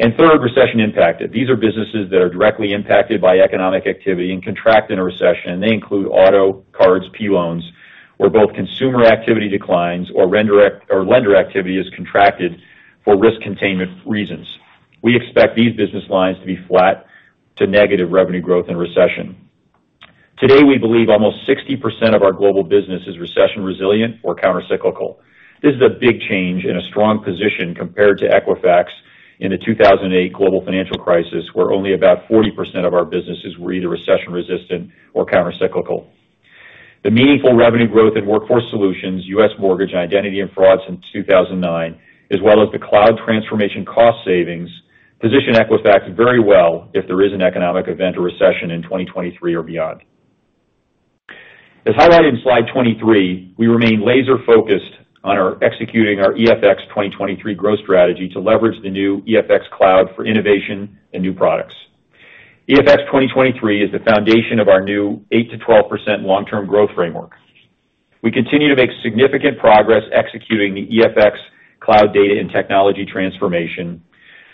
Speaker 3: Third, recession impacted. These are businesses that are directly impacted by economic activity and contract in a recession. They include auto, cards, P loans, where both consumer activity declines or lender activity is contracted for risk containment reasons. We expect these business lines to be flat to negative revenue growth in recession. Today, we believe almost 60% of our global business is recession resilient or countercyclical. This is a big change in a strong position compared to Equifax in the 2008 global financial crisis, where only about 40% of our businesses were either recession resistant or countercyclical. The meaningful revenue growth in Workforce Solutions, U.S. mortgage, and identity and fraud since 2009, as well as the cloud transformation cost savings, position Equifax very well if there is an economic event or recession in 2023 or beyond. As highlighted in slide 23, we remain laser focused on executing our EFX 2023 growth strategy to leverage the new EFX Cloud for innovation and new products. EFX 2023 is the foundation of our new 8%-12% long-term growth framework. We continue to make significant progress executing the EFX Cloud data and technology transformation.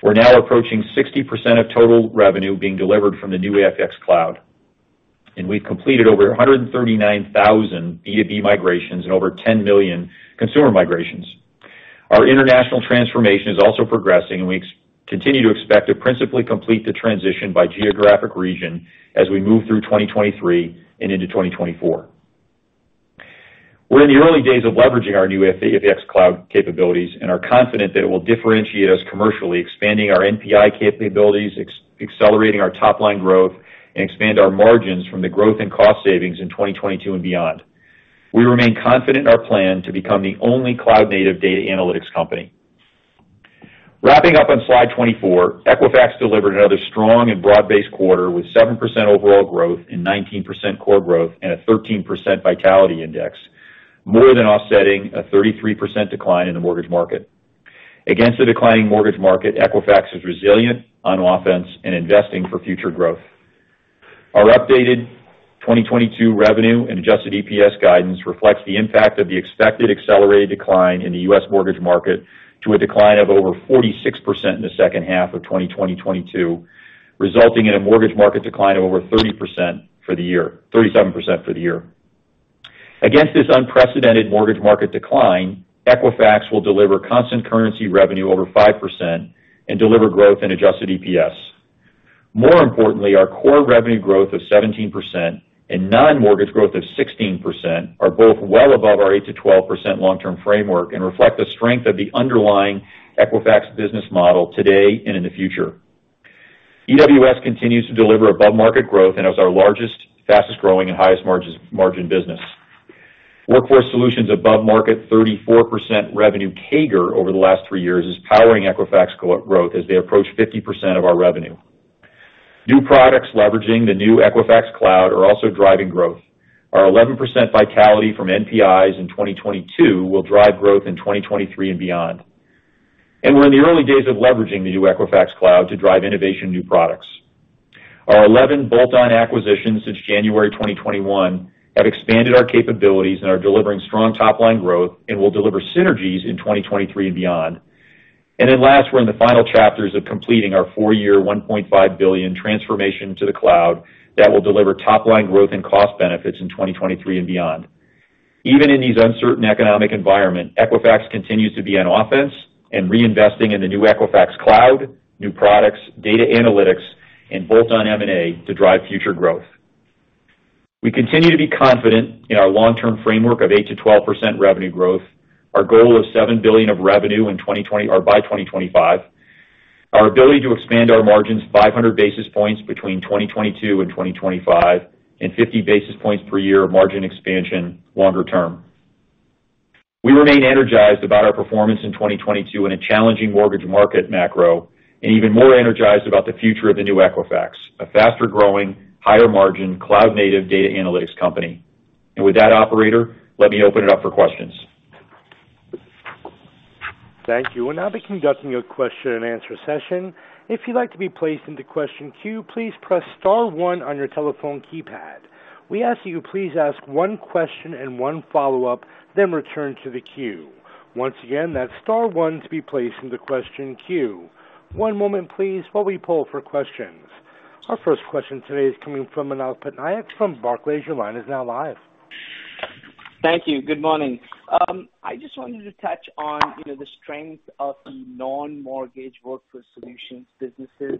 Speaker 3: We're now approaching 60% of total revenue being delivered from the new EFX Cloud, and we've completed over 139,000 B2B migrations and over 10 million consumer migrations. Our international transformation is also progressing, and we continue to expect to principally complete the transition by geographic region as we move through 2023 and into 2024. We're in the early days of leveraging our new EFX Cloud capabilities and are confident that it will differentiate us commercially, expanding our NPI capabilities, accelerating our top line growth, and expand our margins from the growth in cost savings in 2022 and beyond. We remain confident in our plan to become the only cloud native data analytics company. Wrapping up on slide 24, Equifax delivered another strong and broad-based quarter with 7% overall growth and 19% core growth and a 13% Vitality Index, more than offsetting a 33% decline in the mortgage market. Against the declining mortgage market, Equifax is resilient, on offense, and investing for future growth. Our updated 2022 revenue and Adjusted EPS guidance reflects the impact of the expected accelerated decline in the U.S. mortgage market to a decline of over 46% in the second half of 2022, resulting in a mortgage market decline of over 30% for the year, 37% for the year. Against this unprecedented mortgage market decline, Equifax will deliver constant currency revenue over 5% and deliver growth in Adjusted EPS. More importantly, our core revenue growth of 17% and non-mortgage growth of 16% are both well above our 8%-12% long-term framework and reflect the strength of the underlying Equifax business model today and in the future. EWS continues to deliver above market growth and is our largest, fastest-growing, and highest margin business. Workforce Solutions above-market 34% revenue CAGR over the last three years is powering Equifax core growth as they approach 50% of our revenue. New products leveraging the new Equifax Cloud are also driving growth. Our 11% vitality from NPIs in 2022 will drive growth in 2023 and beyond. We're in the early days of leveraging the new Equifax Cloud to drive innovation in new products. Our 11 bolt-on acquisitions since January 2021 have expanded our capabilities and are delivering strong top line growth and will deliver synergies in 2023 and beyond. We're in the final chapters of completing our four-year, $1.5 billion transformation to the cloud that will deliver top line growth and cost benefits in 2023 and beyond. Even in these uncertain economic environment, Equifax continues to be on offense and reinvesting in the new Equifax Cloud, new products, data analytics, and bolt-on M&A to drive future growth. We continue to be confident in our long-term framework of 8%-12% revenue growth, our goal of $7 billion of revenue or by 2025, our ability to expand our margins 500 basis points between 2022 and 2025, and 50 basis points per year margin expansion longer term. We remain energized about our performance in 2022 in a challenging mortgage market macro and even more energized about the future of the new Equifax, a faster growing, higher margin, cloud-native data analytics company. With that, operator, let me open it up for questions.
Speaker 1: Thank you. We'll now be conducting a question-and-answer session. If you'd like to be placed into question queue, please press star one on your telephone keypad. We ask that you please ask one question and one follow-up, then return to the queue. Once again, that's star one to be placed in the question queue. One moment, please, while we poll for questions. Our first question today is coming from Manav Patnaik from Barclays. Your line is now live.
Speaker 5: Thank you. Good morning. I just wanted to touch on, you know, the strength of the non-mortgage Workforce Solutions businesses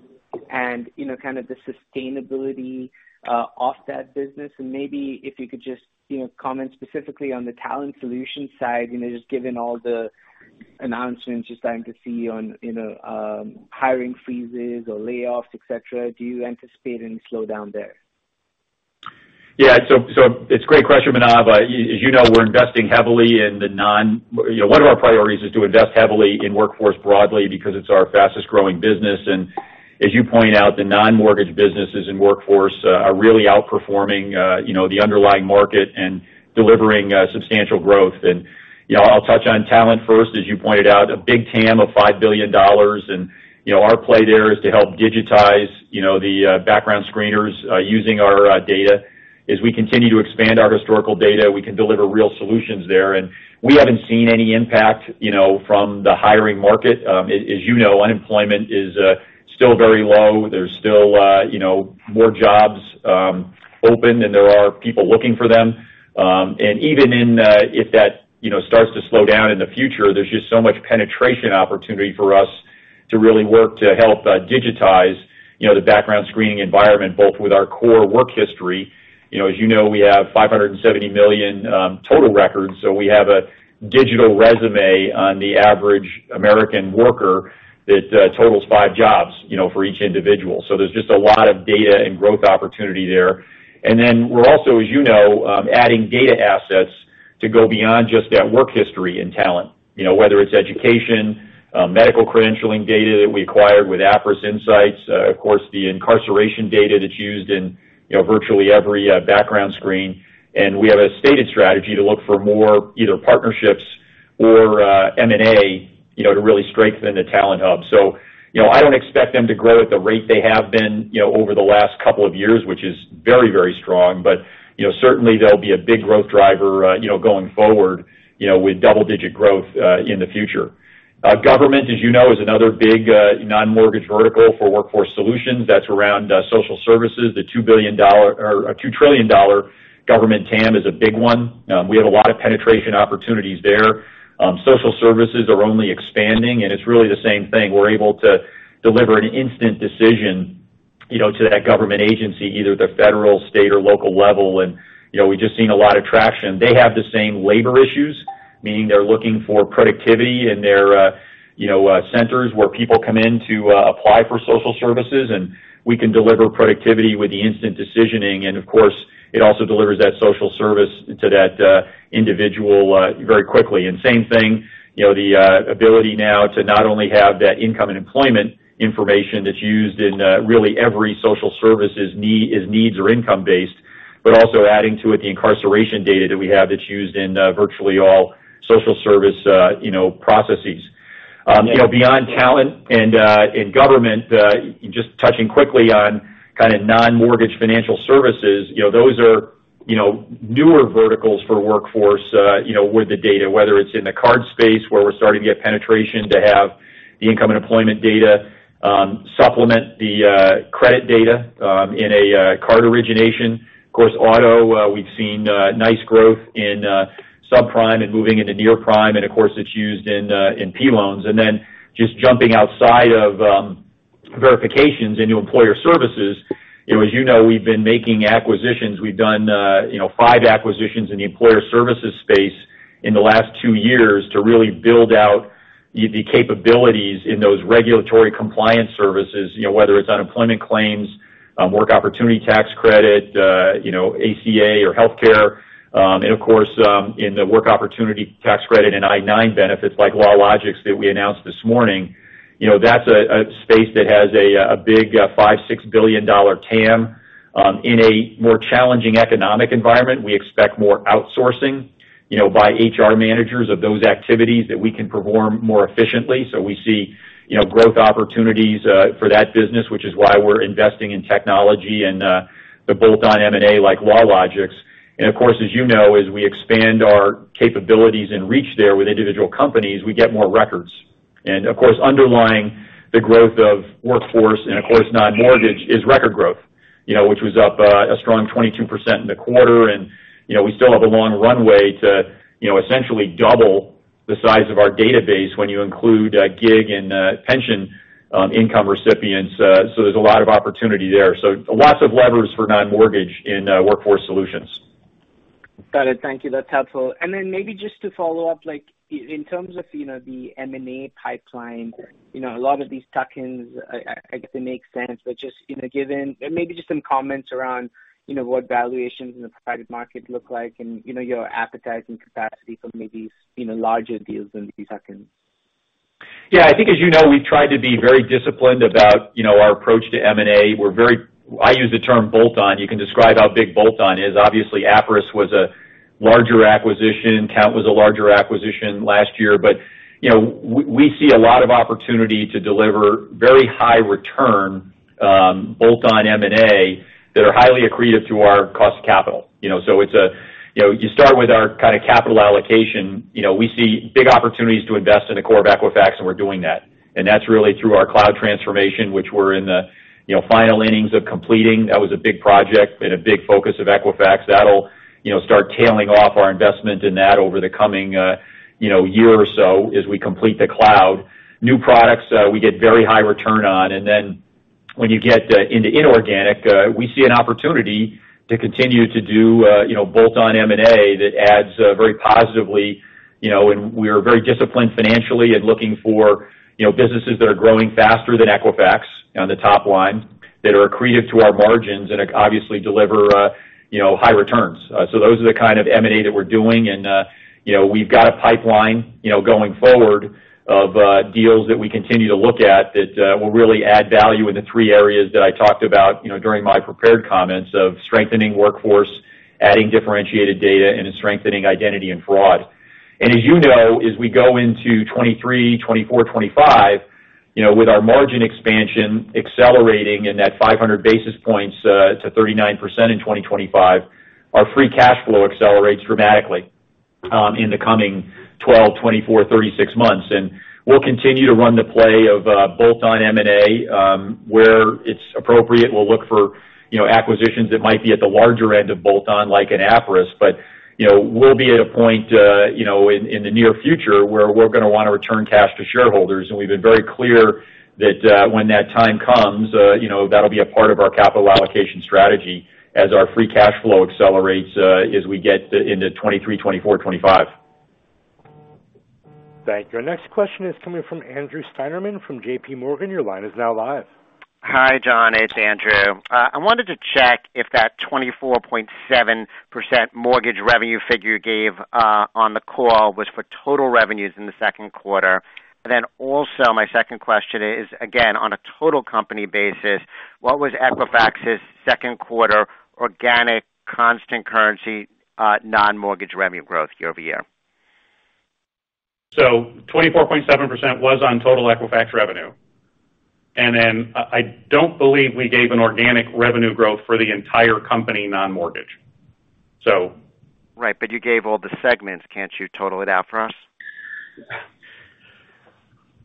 Speaker 5: and, you know, kind of the sustainability of that business. Maybe if you could just, you know, comment specifically on the Talent Solutions side, you know, just given all the announcements you're starting to see on, you know, hiring freezes or layoffs, et cetera. Do you anticipate any slowdown there?
Speaker 3: Yeah. It's a great question, Manav. As you know, we're investing heavily in the non-mortgage, you know, one of our priorities is to invest heavily in Workforce broadly because it's our fastest growing business. As you point out, the non-mortgage businesses in Workforce are really outperforming, you know, the underlying market and delivering substantial growth. You know, I'll touch on Talent first. As you pointed out, a big TAM of $5 billion and, you know, our play there is to help digitize, you know, the background screeners using our data. As we continue to expand our historical data, we can deliver real solutions there, and we haven't seen any impact, you know, from the hiring market. As you know, unemployment is still very low. There's still, you know, more jobs open than there are people looking for them. Even if that, you know, starts to slow down in the future, there's just so much penetration opportunity for us to really work to help digitize, you know, the background screening environment, both with our core work history. You know, as you know, we have 570 million total records, so we have a digital resume on the average American worker that totals five jobs, you know, for each individual. There's just a lot of data and growth opportunity there. Then we're also, as you know, adding data assets to go beyond just that work history in Talent. You know, whether it's education, medical credentialing data that we acquired with Appriss Insights, of course, the incarceration data that's used in, you know, virtually every, background screen. We have a stated strategy to look for more either partnerships or, M&A, you know, to really strengthen the Talent Solutions. You know, I don't expect them to grow at the rate they have been, you know, over the last couple of years, which is very, very strong. You know, certainly they'll be a big growth driver, you know, going forward, you know, with double-digit growth, in the future. Government, as you know, is another big, non-mortgage vertical for Workforce Solutions that's around, social services. The $2 trillion government TAM is a big one. We have a lot of penetration opportunities there. Social services are only expanding, and it's really the same thing. We're able to deliver an instant decision, you know, to that government agency, either at the federal, state, or local level. You know, we've just seen a lot of traction. They have the same labor issues, meaning they're looking for productivity in their, you know, centers where people come in to, apply for social services. We can deliver productivity with the instant decisioning, and of course, it also delivers that social service to that, individual, very quickly. Same thing, you know, the ability now to not only have that income and employment information that's used in, really every social service is needs or income-based, but also adding to it the incarceration data that we have that's used in, virtually all social service, you know, processes. You know, beyond Talent and government, just touching quickly on kinda non-mortgage financial services. You know, those are newer verticals for Workforce with the data, whether it's in the card space, where we're starting to get penetration to have the income and employment data supplement the credit data in a card origination. Of course, auto, we've seen nice growth in subprime and moving into near prime and of course, it's used in personal loans. Then just jumping outside of verifications into employer services, you know, as you know, we've been making acquisitions. We've done, you know, five acquisitions in the Employer Services space in the last two years to really build out the capabilities in those regulatory compliance services, you know, whether it's unemployment claims, work opportunity tax credit, you know, ACA or healthcare. Of course, in the work opportunity tax credit and I-9 benefits like LawLogix that we announced this morning. You know, that's a space that has a big $5 billion-$6 billion TAM. In a more challenging economic environment, we expect more outsourcing, you know, by HR managers of those activities that we can perform more efficiently. We see, you know, growth opportunities, for that business, which is why we're investing in technology and to bolt on M&A like LawLogix. Of course, as you know, as we expand our capabilities and reach there with individual companies, we get more records. Of course, underlying the growth of Workforce and, of course, non-mortgage is record growth, you know, which was up a strong 22% in the quarter. You know, we still have a long runway to, you know, essentially double the size of our database when you include gig and pension income recipients. There's a lot of opportunity there. Lots of levers for non-mortgage in Workforce Solutions.
Speaker 5: Got it. Thank you. That's helpful. Maybe just to follow up, like in terms of, you know, the M&A pipeline, you know, a lot of these tuck-ins, I guess they make sense, but just, you know, given, maybe just some comments around, you know, what valuations in the private market look like and, you know, your appetite and capacity for maybe, you know, larger deals than these tuck-ins?
Speaker 3: Yeah, I think as you know, we've tried to be very disciplined about, you know, our approach to M&A. We're very. I use the term bolt-on. You can describe how big bolt-on is. Obviously, Appriss was a larger acquisition. Talent was a larger acquisition last year. You know, we see a lot of opportunity to deliver very high return bolt-on M&A that are highly accretive to our cost of capital. You know, it's a. You know, you start with our kinda capital allocation. You know, we see big opportunities to invest in the core of Equifax, and we're doing that. That's really through our cloud transformation, which we're in the, you know, final innings of completing. That was a big project and a big focus of Equifax. That'll, you know, start tailing off our investment in that over the coming, you know, year or so as we complete the cloud. New products, we get very high return on. Then when you get into inorganic, we see an opportunity to continue to do, you know, bolt-on M&A that adds, very positively. You know, we are very disciplined financially and looking for, you know, businesses that are growing faster than Equifax on the top line. That are accretive to our margins and obviously deliver, you know, high returns. Those are the kind of M&A that we're doing. We've got a pipeline, you know, going forward of deals that we continue to look at that will really add value in the three areas that I talked about, you know, during my prepared comments of strengthening workforce, adding differentiated data, and strengthening identity and fraud. As you know, as we go into 2023, 2024, 2025, you know, with our margin expansion accelerating and that 500 basis points to 39% in 2025, our free cash flow accelerates dramatically in the coming 12, 24, 36 months. We'll continue to run the play of bolt-on M&A where it's appropriate. We'll look for, you know, acquisitions that might be at the larger end of bolt-on, like an Appriss. You know, we'll be at a point, you know, in the near future where we're gonna wanna return cash to shareholders. We've been very clear that, when that time comes, you know, that'll be a part of our capital allocation strategy as our free cash flow accelerates, as we get into 2023, 2024, 2025.
Speaker 1: Thank you. Our next question is coming from Andrew Steinerman from JPMorgan. Your line is now live.
Speaker 6: Hi, John. It's Andrew. I wanted to check if that 24.7% mortgage revenue figure you gave, on the call, was for total revenues in the second quarter. My second question is, again, on a total company basis, what was Equifax's second quarter organic constant currency non-mortgage revenue growth year-over-year?
Speaker 4: 24.7% was on total Equifax revenue. Then I don't believe we gave an organic revenue growth for the entire company non-mortgage.
Speaker 6: Right. You gave all the segments. Can't you total it out for us?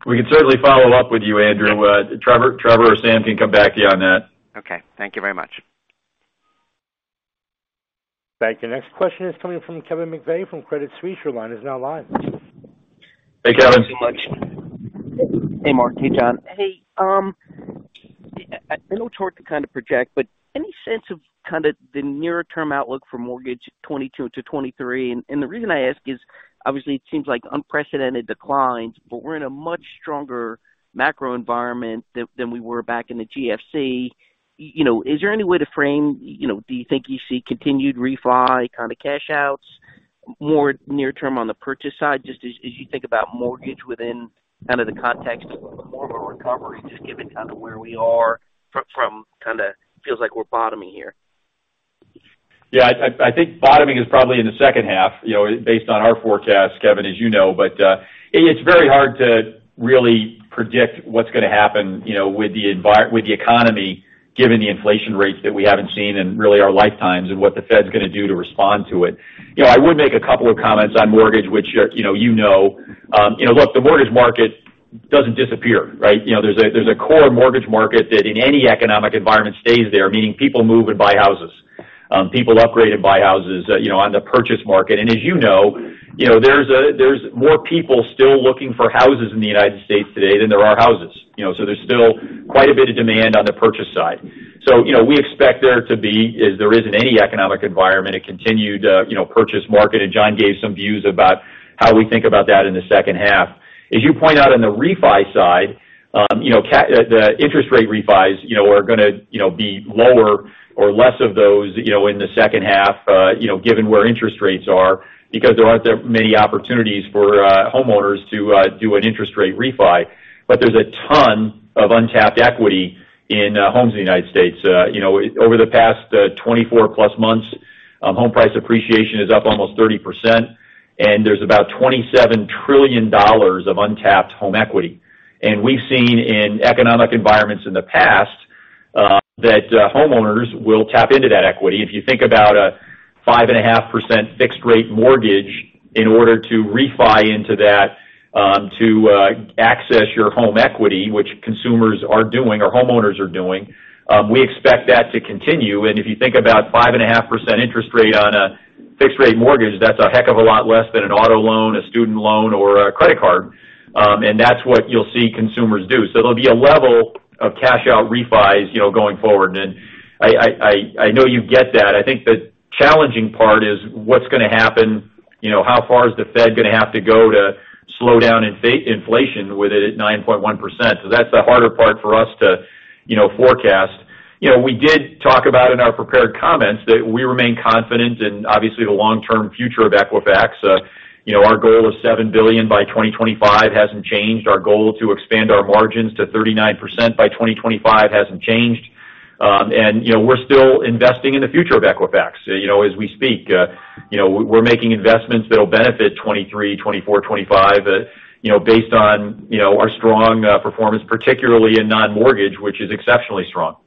Speaker 3: We can certainly follow up with you, Andrew. Trevor or Sam can come back to you on that.
Speaker 6: Okay. Thank you very much.
Speaker 1: Thank you. Next question is coming from Kevin McVeigh from Credit Suisse. Your line is now live.
Speaker 3: Hey, Kevin.
Speaker 7: Thank you so much. Hey, Mark. Hey, John. Hey, I know it's hard to kind of project, but any sense of kinda the near-term outlook for mortgage 2022 to 2023? The reason I ask is, obviously it seems like unprecedented declines, but we're in a much stronger macro environment than we were back in the GFC. You know, is there any way to frame. You know, do you think you see continued refi kind of cash outs more near term on the purchase side just as you think about mortgage within kind of the context of a normal recovery, just given kind of where we are from kinda feels like we're bottoming here.
Speaker 3: Yeah, I think bottoming is probably in the second half, you know, based on our forecast, Kevin, as you know. It's very hard to really predict what's gonna happen, you know, with the economy, given the inflation rates that we haven't seen in, really, our lifetimes and what the Fed's gonna do to respond to it. You know, I would make a couple of comments on mortgage, which, you know. Look, the mortgage market doesn't disappear, right? You know, there's a core mortgage market that in any economic environment stays there, meaning people move and buy houses. People upgrade and buy houses, you know, on the purchase market. As you know, there's more people still looking for houses in the United States today than there are houses. You know, there's still quite a bit of demand on the purchase side. You know, we expect there to be, as there is in any economic environment, a continued, you know, purchase market. John gave some views about how we think about that in the second half. As you point out on the refi side, you know, the interest rate refis, you know, are gonna, you know, be lower or less of those, you know, in the second half, you know, given where interest rates are because there aren't that many opportunities for, homeowners to, do an interest rate refi. There's a ton of untapped equity in, homes in the United States. You know, over the past 24+ months, home price appreciation is up almost 30%, and there's about $27 trillion of untapped home equity. We've seen in economic environments in the past that homeowners will tap into that equity. If you think about a 5.5% fixed rate mortgage in order to refi into that to access your home equity, which consumers are doing or homeowners are doing, we expect that to continue. If you think about 5.5% interest rate on a fixed rate mortgage, that's a heck of a lot less than an auto loan, a student loan or a credit card. That's what you'll see consumers do. There'll be a level of cash out refis, you know, going forward. I know you get that. I think the challenging part is what's gonna happen, you know, how far is the Fed gonna have to go to slow down inflation with it at 9.1%? That's the harder part for us to, you know, forecast. You know, we did talk about in our prepared comments that we remain confident in obviously the long-term future of Equifax. You know, our goal of $7 billion by 2025 hasn't changed. Our goal to expand our margins to 39% by 2025 hasn't changed. You know, we're still investing in the future of Equifax, you know, as we speak. You know, we're making investments that'll benefit 2023, 2024, 2025, you know, based on, you know, our strong, performance, particularly in non-mortgage, which is exceptionally strong.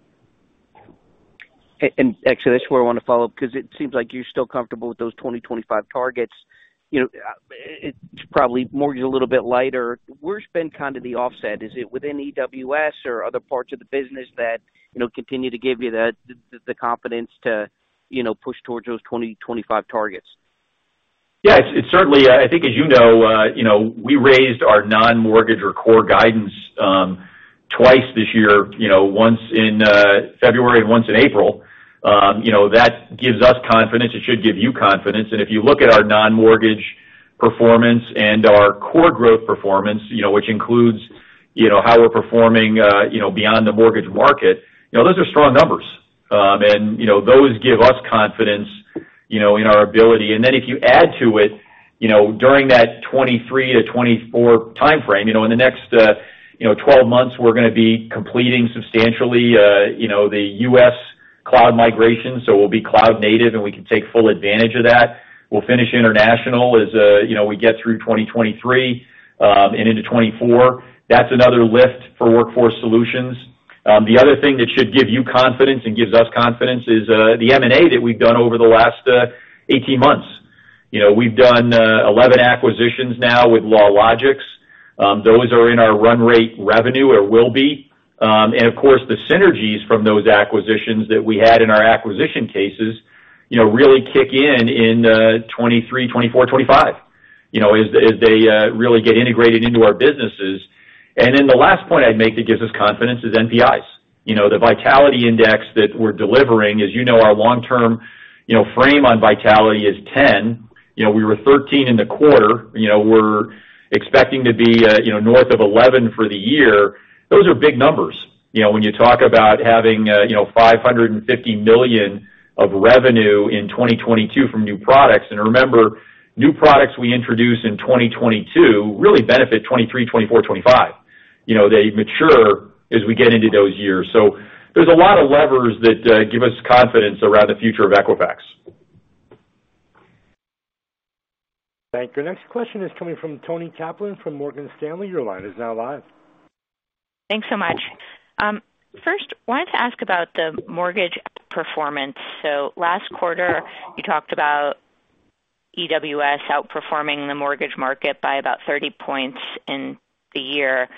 Speaker 7: Actually that's where I wanna follow up, 'cause it seems like you're still comfortable with those 2025 targets. You know, it's probably mortgage a little bit lighter. Where's been kind of the offset? Is it within EWS or other parts of the business that, you know, continue to give you the confidence to, you know, push towards those 2025 targets?
Speaker 3: Yeah, it's certainly, I think as you know, you know, we raised our non-mortgage or core guidance twice this year. You know, once in February and once in April. You know, that gives us confidence. It should give you confidence. If you look at our non-mortgage performance and our core growth performance, you know, which includes, you know, how we're performing, you know, beyond the mortgage market. You know, those are strong numbers. And, you know, those give us confidence, you know, in our ability. Then if you add to it, you know, during that 2023 to 2024 timeframe, you know, in the next, you know, 12 months, we're gonna be completing substantially, you know, the U.S. cloud migration, so we'll be cloud native, and we can take full advantage of that. We'll finish international as you know we get through 2023 and into 2024. That's another lift for Workforce Solutions. The other thing that should give you confidence and gives us confidence is the M&A that we've done over the last 18 months. You know we've done 11 acquisitions now with LawLogix. Those are in our run rate revenue or will be. And of course the synergies from those acquisitions that we had in our acquisition cases you know really kick in in 2023 2024 2025 you know as they really get integrated into our businesses. Then the last point I'd make that gives us confidence is NPIs. You know the Vitality Index that we're delivering is you know our long-term you know frame on vitality is 10. You know we were 13 in the quarter. You know, we're expecting to be, you know, north of 11 for the year. Those are big numbers. You know, when you talk about having, you know, $550 million of revenue in 2022 from new products. Remember, new products we introduce in 2022 really benefit 2023, 2024, 2025. You know, they mature as we get into those years. There's a lot of levers that give us confidence around the future of Equifax.
Speaker 1: Thank you. Next question is coming from Toni Kaplan from Morgan Stanley. Your line is now live.
Speaker 8: Thanks so much. First, wanted to ask about the mortgage performance. Last quarter, you talked about EWS outperforming the mortgage market by about 30 points in the year.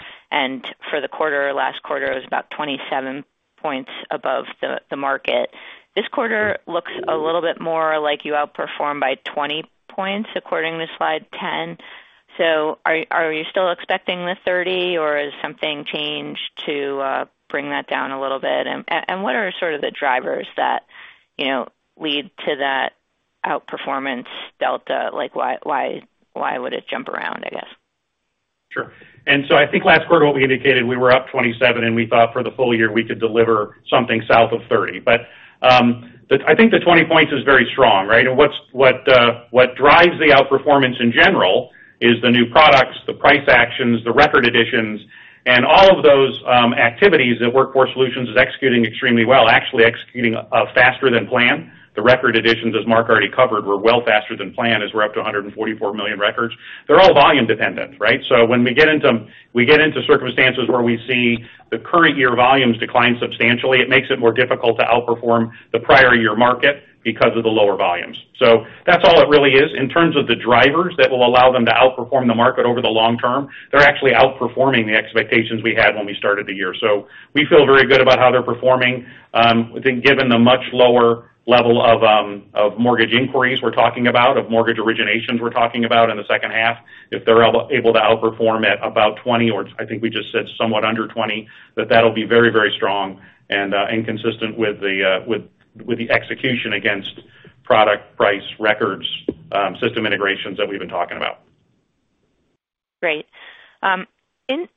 Speaker 8: For the quarter, last quarter, it was about 27 points above the market. This quarter looks a little bit more like you outperformed by 20 points according to slide 10. Are you still expecting the 30 or has something changed to bring that down a little bit? What are sort of the drivers that, you know, lead to that outperformance delta? Like why would it jump around, I guess?
Speaker 4: Sure. I think last quarter what we indicated, we were up 27%, and we thought for the full year we could deliver something south of 30%. The 20 points is very strong, right? What drives the outperformance in general is the new products, the price actions, the record additions and all of those activities that Workforce Solutions is executing extremely well, actually executing faster than planned. The record additions, as Mark already covered, were well faster than planned, as we're up to 144 million records. They're all volume dependent, right? When we get into circumstances where we see the current year volumes decline substantially, it makes it more difficult to outperform the prior year market because of the lower volumes. That's all it really is. In terms of the drivers that will allow them to outperform the market over the long term, they're actually outperforming the expectations we had when we started the year. We feel very good about how they're performing. I think given the much lower level of mortgage inquiries we're talking about, of mortgage originations we're talking about in the second half, if they're able to outperform at about 20 or I think we just said somewhat under 20, that'll be very, very strong and consistent with the execution against product price records, system integrations that we've been talking about.
Speaker 8: Great.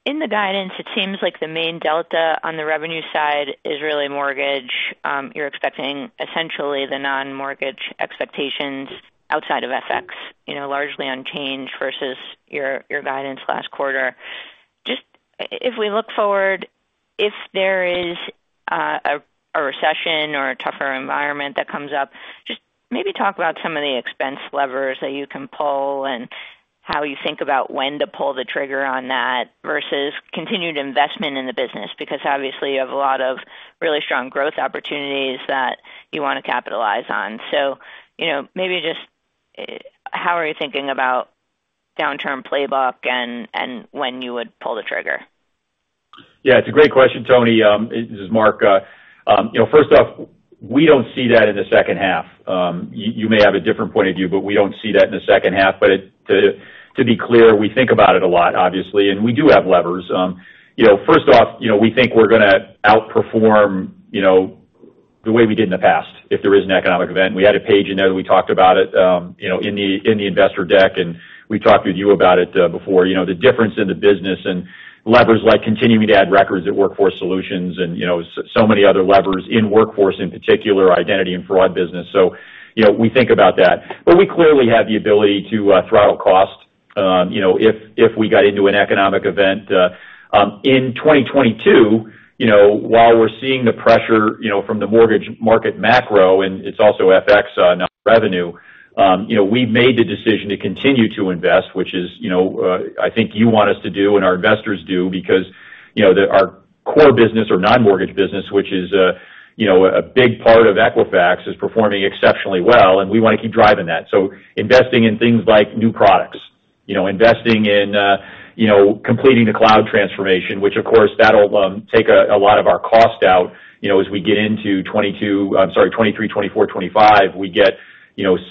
Speaker 8: In the guidance, it seems like the main delta on the revenue side is really mortgage. You're expecting essentially the non-mortgage expectations outside of FX, you know, largely unchanged versus your guidance last quarter. Just if we look forward, if there is a recession or a tougher environment that comes up, just maybe talk about some of the expense levers that you can pull and how you think about when to pull the trigger on that versus continued investment in the business, because obviously you have a lot of really strong growth opportunities that you wanna capitalize on. You know, maybe just how are you thinking about downturn playbook and when you would pull the trigger?
Speaker 3: Yeah, it's a great question, Toni. This is Mark. You know, first off, we don't see that in the second half. You may have a different point of view, but we don't see that in the second half. To be clear, we think about it a lot, obviously, and we do have levers. You know, first off, you know, we think we're gonna outperform, you know, the way we did in the past if there is an economic event. We had a page in there that we talked about it, you know, in the investor deck, and we talked with you about it before. You know, the difference in the business and levers like continuing to add records at Workforce Solutions and, you know, so many other levers in Workforce, in particular identity and fraud business. You know, we think about that. We clearly have the ability to throttle costs, you know, if we got into an economic event in 2022. You know, while we're seeing the pressure, you know, from the mortgage market macro, and it's also FX, non-revenue, you know, we made the decision to continue to invest, which is, you know, I think you want us to do and our investors do because, you know, our core business or non-mortgage business, which is, you know, a big part of Equifax, is performing exceptionally well and we wanna keep driving that. Investing in things like new products. You know, investing in, you know, completing the cloud transformation, which of course that'll take a lot of our cost out. You know, as we get into 2023, 2024, 2025, we get, you know,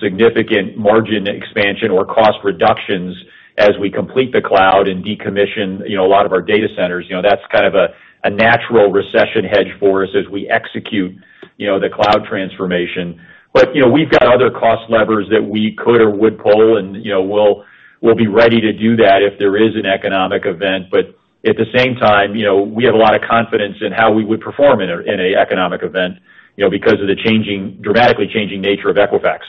Speaker 3: significant margin expansion or cost reductions. As we complete the cloud and decommission, you know, a lot of our data centers, you know, that's kind of a natural recession hedge for us as we execute, you know, the cloud transformation. You know, we've got other cost levers that we could or would pull and, you know, we'll be ready to do that if there is an economic event. At the same time, you know, we have a lot of confidence in how we would perform in an economic event, you know, because of the changing dramatically changing nature of Equifax.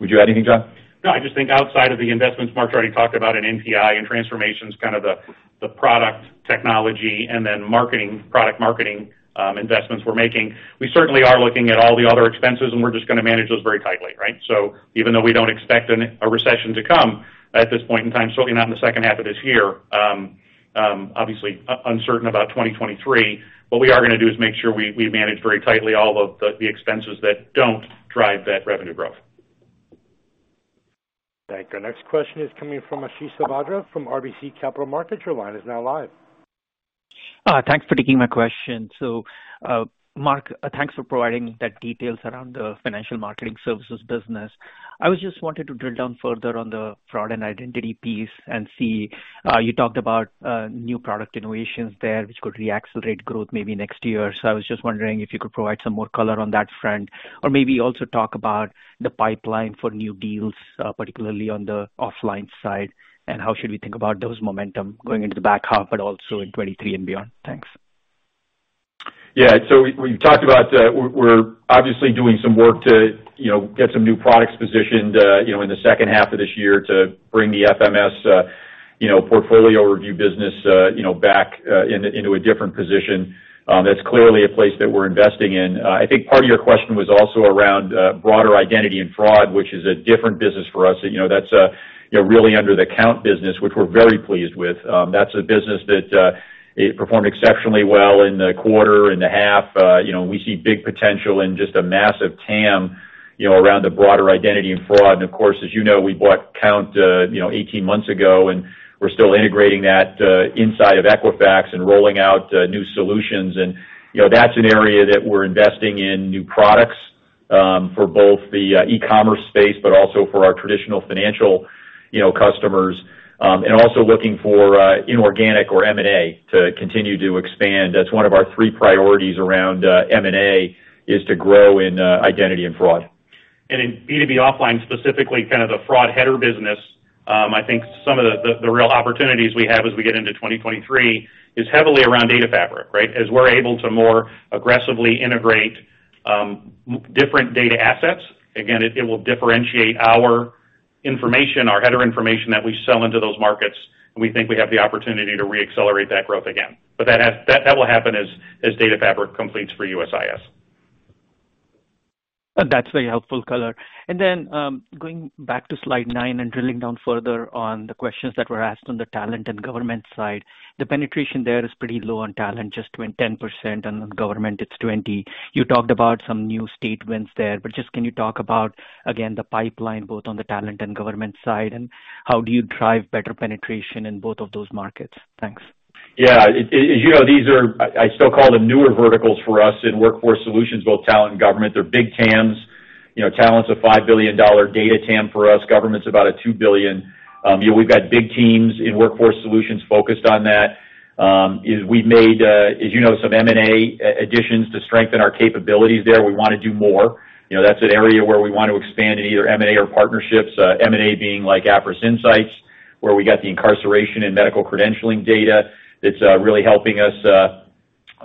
Speaker 3: Would you add anything, John?
Speaker 4: No, I just think outside of the investments Mark's already talked about in NPI and transformations, kind of the product technology and then marketing, product marketing, investments we're making. We certainly are looking at all the other expenses, and we're just gonna manage those very tightly, right? Even though we don't expect a recession to come at this point in time, certainly not in the second half of this year, obviously uncertain about 2023. What we are gonna do is make sure we manage very tightly all of the expenses that don't drive that revenue growth.
Speaker 1: Thank you. Our next question is coming from Ashish Sabadra from RBC Capital Markets. Your line is now live.
Speaker 9: Thanks for taking my question. Mark, thanks for providing those details around the Financial Marketing Services business. I just wanted to drill down further on the fraud and identity piece and see you talked about new product innovations there which could re-accelerate growth maybe next year. I was just wondering if you could provide some more color on that front or maybe also talk about the pipeline for new deals, particularly on the offline side, and how should we think about that momentum going into the back half but also in 2023 and beyond. Thanks.
Speaker 3: Yeah. We've talked about we're obviously doing some work to you know get some new products positioned you know in the second half of this year to bring the FMS you know portfolio review business you know back into a different position. That's clearly a place that we're investing in. I think part of your question was also around broader identity and fraud which is a different business for us. You know that's really under the Kount business which we're very pleased with. That's a business that it performed exceptionally well in the quarter and the half. You know we see big potential and just a massive TAM you know around the broader identity and fraud. Of course, as you know, we bought Kount, you know, 18 months ago, and we're still integrating that inside of Equifax and rolling out new solutions. You know, that's an area that we're investing in new products for both the e-commerce space, but also for our traditional financial, you know, customers, and also looking for inorganic or M&A to continue to expand. That's one of our three priorities around M&A is to grow in identity and fraud. In B2B offline, specifically kind of the fraud header business, I think some of the real opportunities we have as we get into 2023 is heavily around data fabric, right? As we're able to more aggressively integrate different data assets, again, it will differentiate our information, our header information that we sell into those markets, and we think we have the opportunity to re-accelerate that growth again. That will happen as data fabric completes for USIS.
Speaker 9: That's very helpful color. Then, going back to slide nine and drilling down further on the questions that were asked on the talent and government side, the penetration there is pretty low on talent, just 10%, and on government it's 20%. You talked about some new statements there, but just can you talk about again the pipeline both on the talent and government side, and how do you drive better penetration in both of those markets? Thanks.
Speaker 3: Yeah. As you know, these are, I still call them newer verticals for us in Workforce Solutions, both Talent and Government. They're big TAMs. You know, Talent's a $5 billion data TAM for us. Government's about a $2 billion. You know, we've got big teams in Workforce Solutions focused on that. We've made, as you know, some M&A additions to strengthen our capabilities there. We wanna do more. You know, that's an area where we want to expand in either M&A or partnerships, M&A being like Appriss Insights, where we got the incarceration and medical credentialing data that's really helping us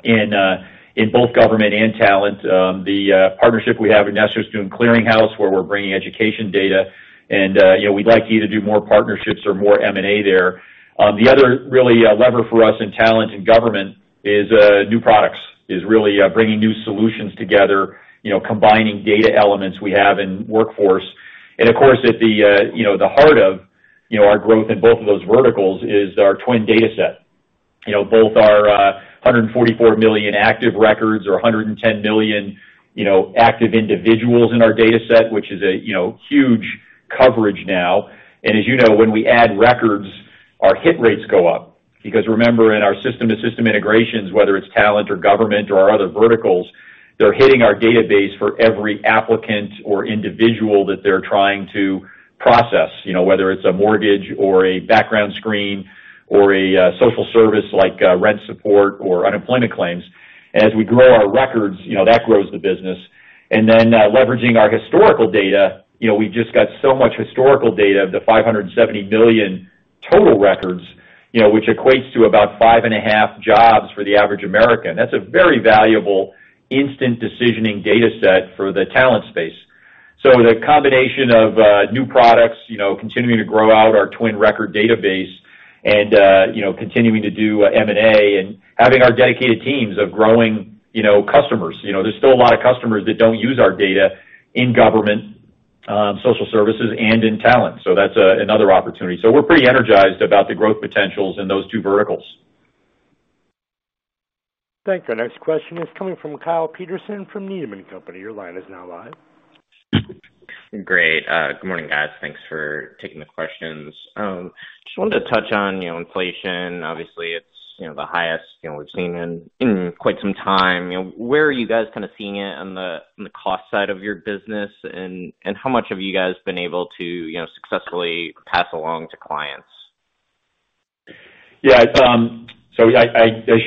Speaker 3: in both Government and Talent. The partnership we have with National Student Clearinghouse, where we're bringing education data and, you know, we'd like to do either more partnerships or more M&A there. The other really lever for us in talent and government is new products, is really bringing new solutions together, you know, combining data elements we have in Workforce. Of course, at the, you know, the heart of, you know, our growth in both of those verticals is our twin dataset. You know, both our 144 million active records or 110 million, you know, active individuals in our dataset, which is a, you know, huge coverage now. As you know, when we add records, our hit rates go up because remember, in our system-to-system integrations, whether it's talent or government or our other verticals, they're hitting our database for every applicant or individual that they're trying to process, you know, whether it's a mortgage or a background screen or a social service like rent support or unemployment claims. As we grow our records, you know, that grows the business. Then, leveraging our historical data, you know, we just got so much historical data of the 570 billion total records, you know, which equates to about 5.5 jobs for the average American. That's a very valuable instant decisioning dataset for the talent space. The combination of new products, you know, continuing to grow out our TWN database and, you know, continuing to do M&A and having our dedicated teams of growing, you know, customers. You know, there's still a lot of customers that don't use our data in government, social services and in talent. That's another opportunity. We're pretty energized about the growth potentials in those two verticals.
Speaker 1: Thank you. Our next question is coming from Kyle Peterson from Needham & Company. Your line is now live.
Speaker 10: Great. Good morning, guys. Thanks for taking the questions. Just wanted to touch on, you know, inflation. Obviously it's, you know, the highest, you know, we've seen in quite some time. You know, where are you guys kinda seeing it on the cost side of your business? And how much have you guys been able to, you know, successfully pass along to clients?
Speaker 3: Yeah. I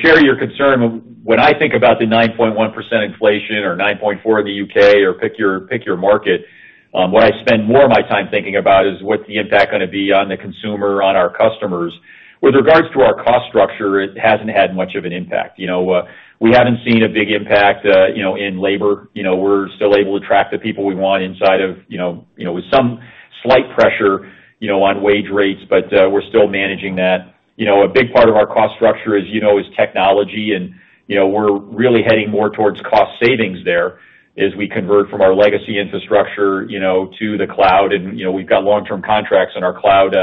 Speaker 3: share your concern. When I think about the 9.1% inflation or 9.4% in the U.K. or pick your market, what I spend more of my time thinking about is what the impact gonna be on the consumer, on our customers. With regards to our cost structure, it hasn't had much of an impact. You know, we haven't seen a big impact, you know, in labor. You know, we're still able to attract the people we want inside of, you know, you know, with some slight pressure, you know, on wage rates, but, we're still managing that. You know, a big part of our cost structure, as you know, is technology and, you know, we're really heading more towards cost savings there as we convert from our legacy infrastructure, you know, to the cloud. You know, we've got long-term contracts in our cloud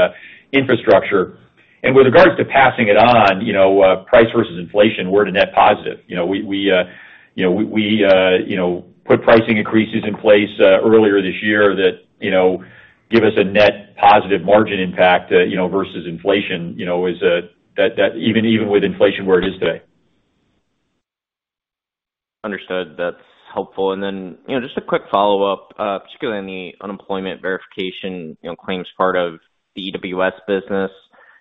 Speaker 3: infrastructure. With regards to passing it on, you know, price versus inflation, we're at a net positive. You know, we put pricing increases in place earlier this year that give us a net positive margin impact versus inflation. You know, that even with inflation where it is today.
Speaker 10: Understood. That's helpful. You know, just a quick follow-up, particularly in the unemployment verification, you know, claims part of the EWS business.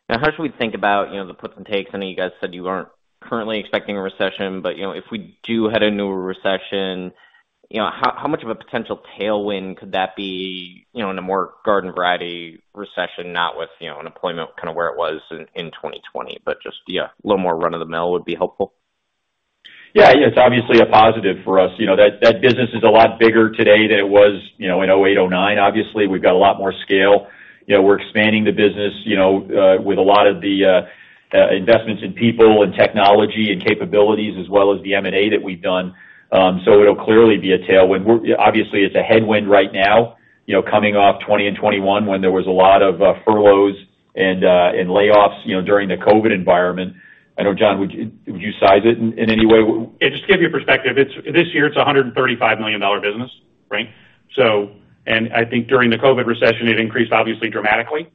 Speaker 10: Now how should we think about, you know, the puts and takes? I know you guys said you aren't currently expecting a recession, but, you know, if we do head into a recession, you know, how much of a potential tailwind could that be, you know, in a more garden variety recession, not with, you know, unemployment kind of where it was in 2020, but just, yeah, a little more run-of-the-mill would be helpful.
Speaker 3: Yeah. Yeah. It's obviously a positive for us. You know, that business is a lot bigger today than it was, you know, in 2008, 2009. Obviously, we've got a lot more scale. You know, we're expanding the business, you know, with a lot of the investments in people and technology and capabilities as well as the M&A that we've done. So it'll clearly be a tailwind. Obviously, it's a headwind right now, you know, coming off 2020 and 2021 when there was a lot of furloughs and and layoffs, you know, during the COVID environment. I know, John, would you size it in any way?
Speaker 4: Yeah. Just to give you perspective, it's this year it's a $135 million business, right? I think during the COVID recession it increased obviously dramatically.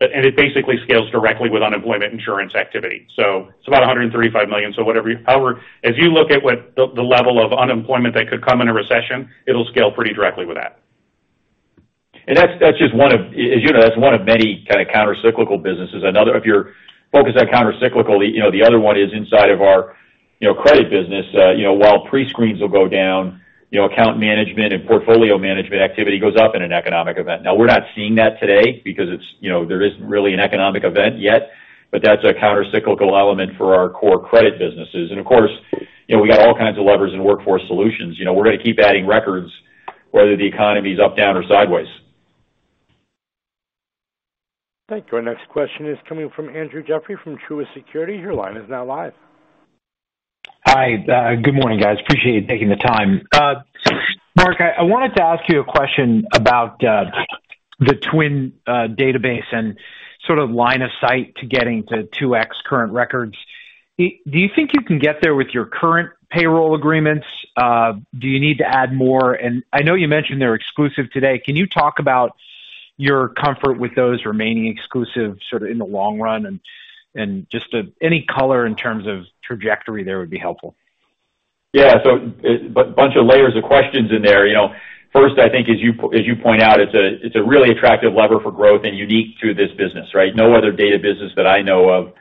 Speaker 4: It basically scales directly with unemployment insurance activity. It's about $135 million. However, as you look at what the level of unemployment that could come in a recession, it'll scale pretty directly with that.
Speaker 3: That's just one of many kinda countercyclical businesses. As you know, that's one of many kinda countercyclical businesses. Another, if you're focused on countercyclical, you know, the other one is inside of our, you know, credit business. You know, while prescreens will go down, you know, account management and portfolio management activity goes up in an economic event. Now we're not seeing that today because it's, you know, there isn't really an economic event yet, but that's a countercyclical element for our core credit businesses. Of course, you know, we got all kinds of levers in Workforce Solutions. You know, we're gonna keep adding records whether the economy's up, down, or sideways.
Speaker 1: Thank you. Our next question is coming from Andrew Jeffrey from Truist Securities. Your line is now live.
Speaker 11: Hi. Good morning, guys. Appreciate you taking the time. Mark, I wanted to ask you a question about the TWN database and sort of line of sight to getting to 2x current records. Do you think you can get there with your current payroll agreements? Do you need to add more? I know you mentioned they're exclusive today. Can you talk about your comfort with those remaining exclusive sort of in the long run and just any color in terms of trajectory there would be helpful.
Speaker 3: Yeah. Bunch of layers of questions in there. You know, first I think as you point out, it's a really attractive lever for growth and unique to this business, right? No other data business that I know of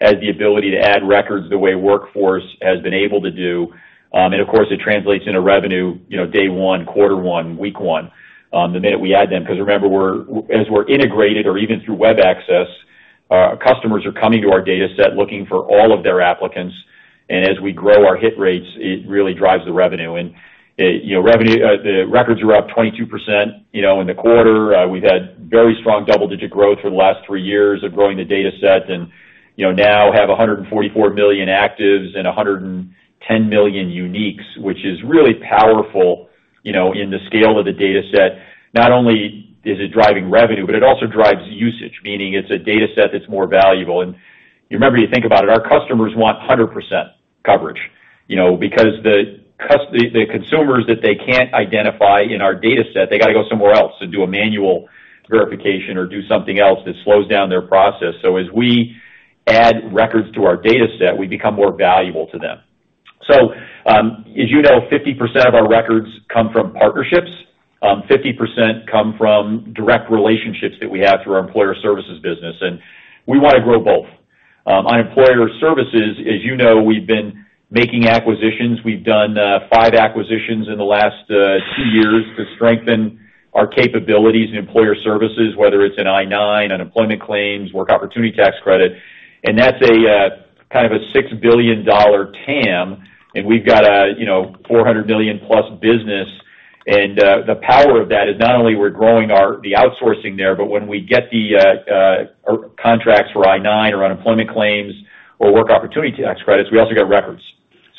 Speaker 3: has the ability to add records the way Workforce has been able to do. And of course, it translates into revenue, you know, day one, quarter one, week one, the minute we add them. 'Cause remember as we're integrated or even through web access, customers are coming to our dataset looking for all of their applicants. As we grow our hit rates, it really drives the revenue. You know, revenue, the records are up 22%, you know, in the quarter. We've had very strong double-digit growth for the last three years of growing the dataset. You know, now have 144 million actives and 110 million uniques, which is really powerful, you know, in the scale of the dataset. Not only is it driving revenue, but it also drives usage, meaning it's a dataset that's more valuable. You remember, you think about it, our customers want 100% coverage, you know, because the consumers that they can't identify in our dataset, they gotta go somewhere else to do a manual verification or do something else that slows down their process. As we add records to our dataset, we become more valuable to them. As you know, 50% of our records come from partnerships, 50% come from direct relationships that we have through our Employer Services business. We wanna grow both. On Employer Services, as you know, we've been making acquisitions. We've done five acquisitions in the last two years to strengthen our capabilities in Employer Services, whether it's an I-9, unemployment claims, work opportunity tax credit. That's a kind of a $6 billion TAM, and we've got a, you know, $400 million+ business. The power of that is not only we're growing the outsourcing there, but when we get the contracts for I-9 or unemployment claims or work opportunity tax credits, we also get records.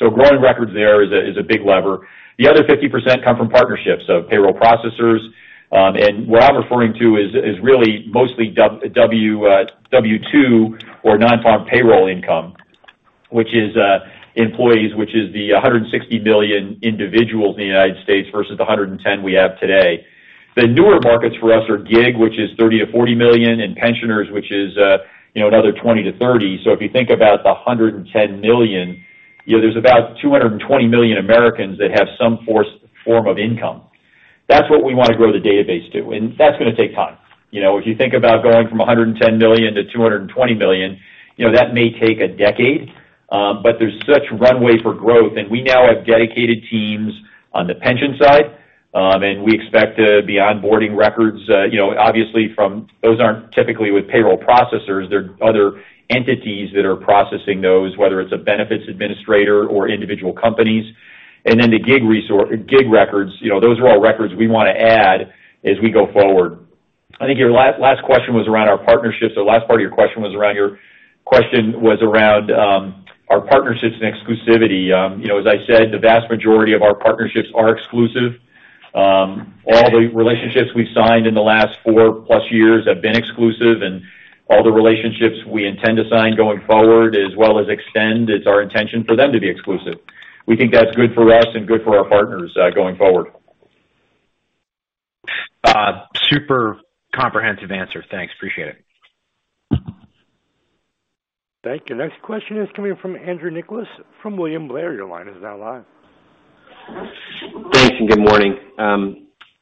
Speaker 3: Growing records there is a big lever. The other 50% come from partnerships, so payroll processors. What I'm referring to is really mostly W-2 or non-farm payroll income, which is employees, which is the 160 million individuals in the United States versus the 110 million we have today. The newer markets for us are gig, which is 30 million-40 million, and pensioners which is, you know, another 20 million-30 million. If you think about the 110 million, you know, there's about 220 million Americans that have some form of income. That's what we wanna grow the database to, and that's gonna take time. You know, if you think about going from 110 million to 220 million, you know, that may take a decade, but there's such runway for growth. We now have dedicated teams on the pension side, and we expect to be onboarding records, you know, obviously from those. Those aren't typically with payroll processors. They're other entities that are processing those, whether it's a benefits administrator or individual companies. Then the gig records, you know, those are all records we wanna add as we go forward. I think your last question was around our partnerships. The last part of your question was around our partnerships and exclusivity. You know, as I said, the vast majority of our partnerships are exclusive. All the relationships we've signed in the last four-plus years have been exclusive, and all the relationships we intend to sign going forward as well as extend, it's our intention for them to be exclusive. We think that's good for us and good for our partners, going forward.
Speaker 11: Super comprehensive answer. Thanks. Appreciate it.
Speaker 1: Thank you. Next question is coming from Andrew Nicholas from William Blair. Your line is now live.
Speaker 12: Thanks, and good morning.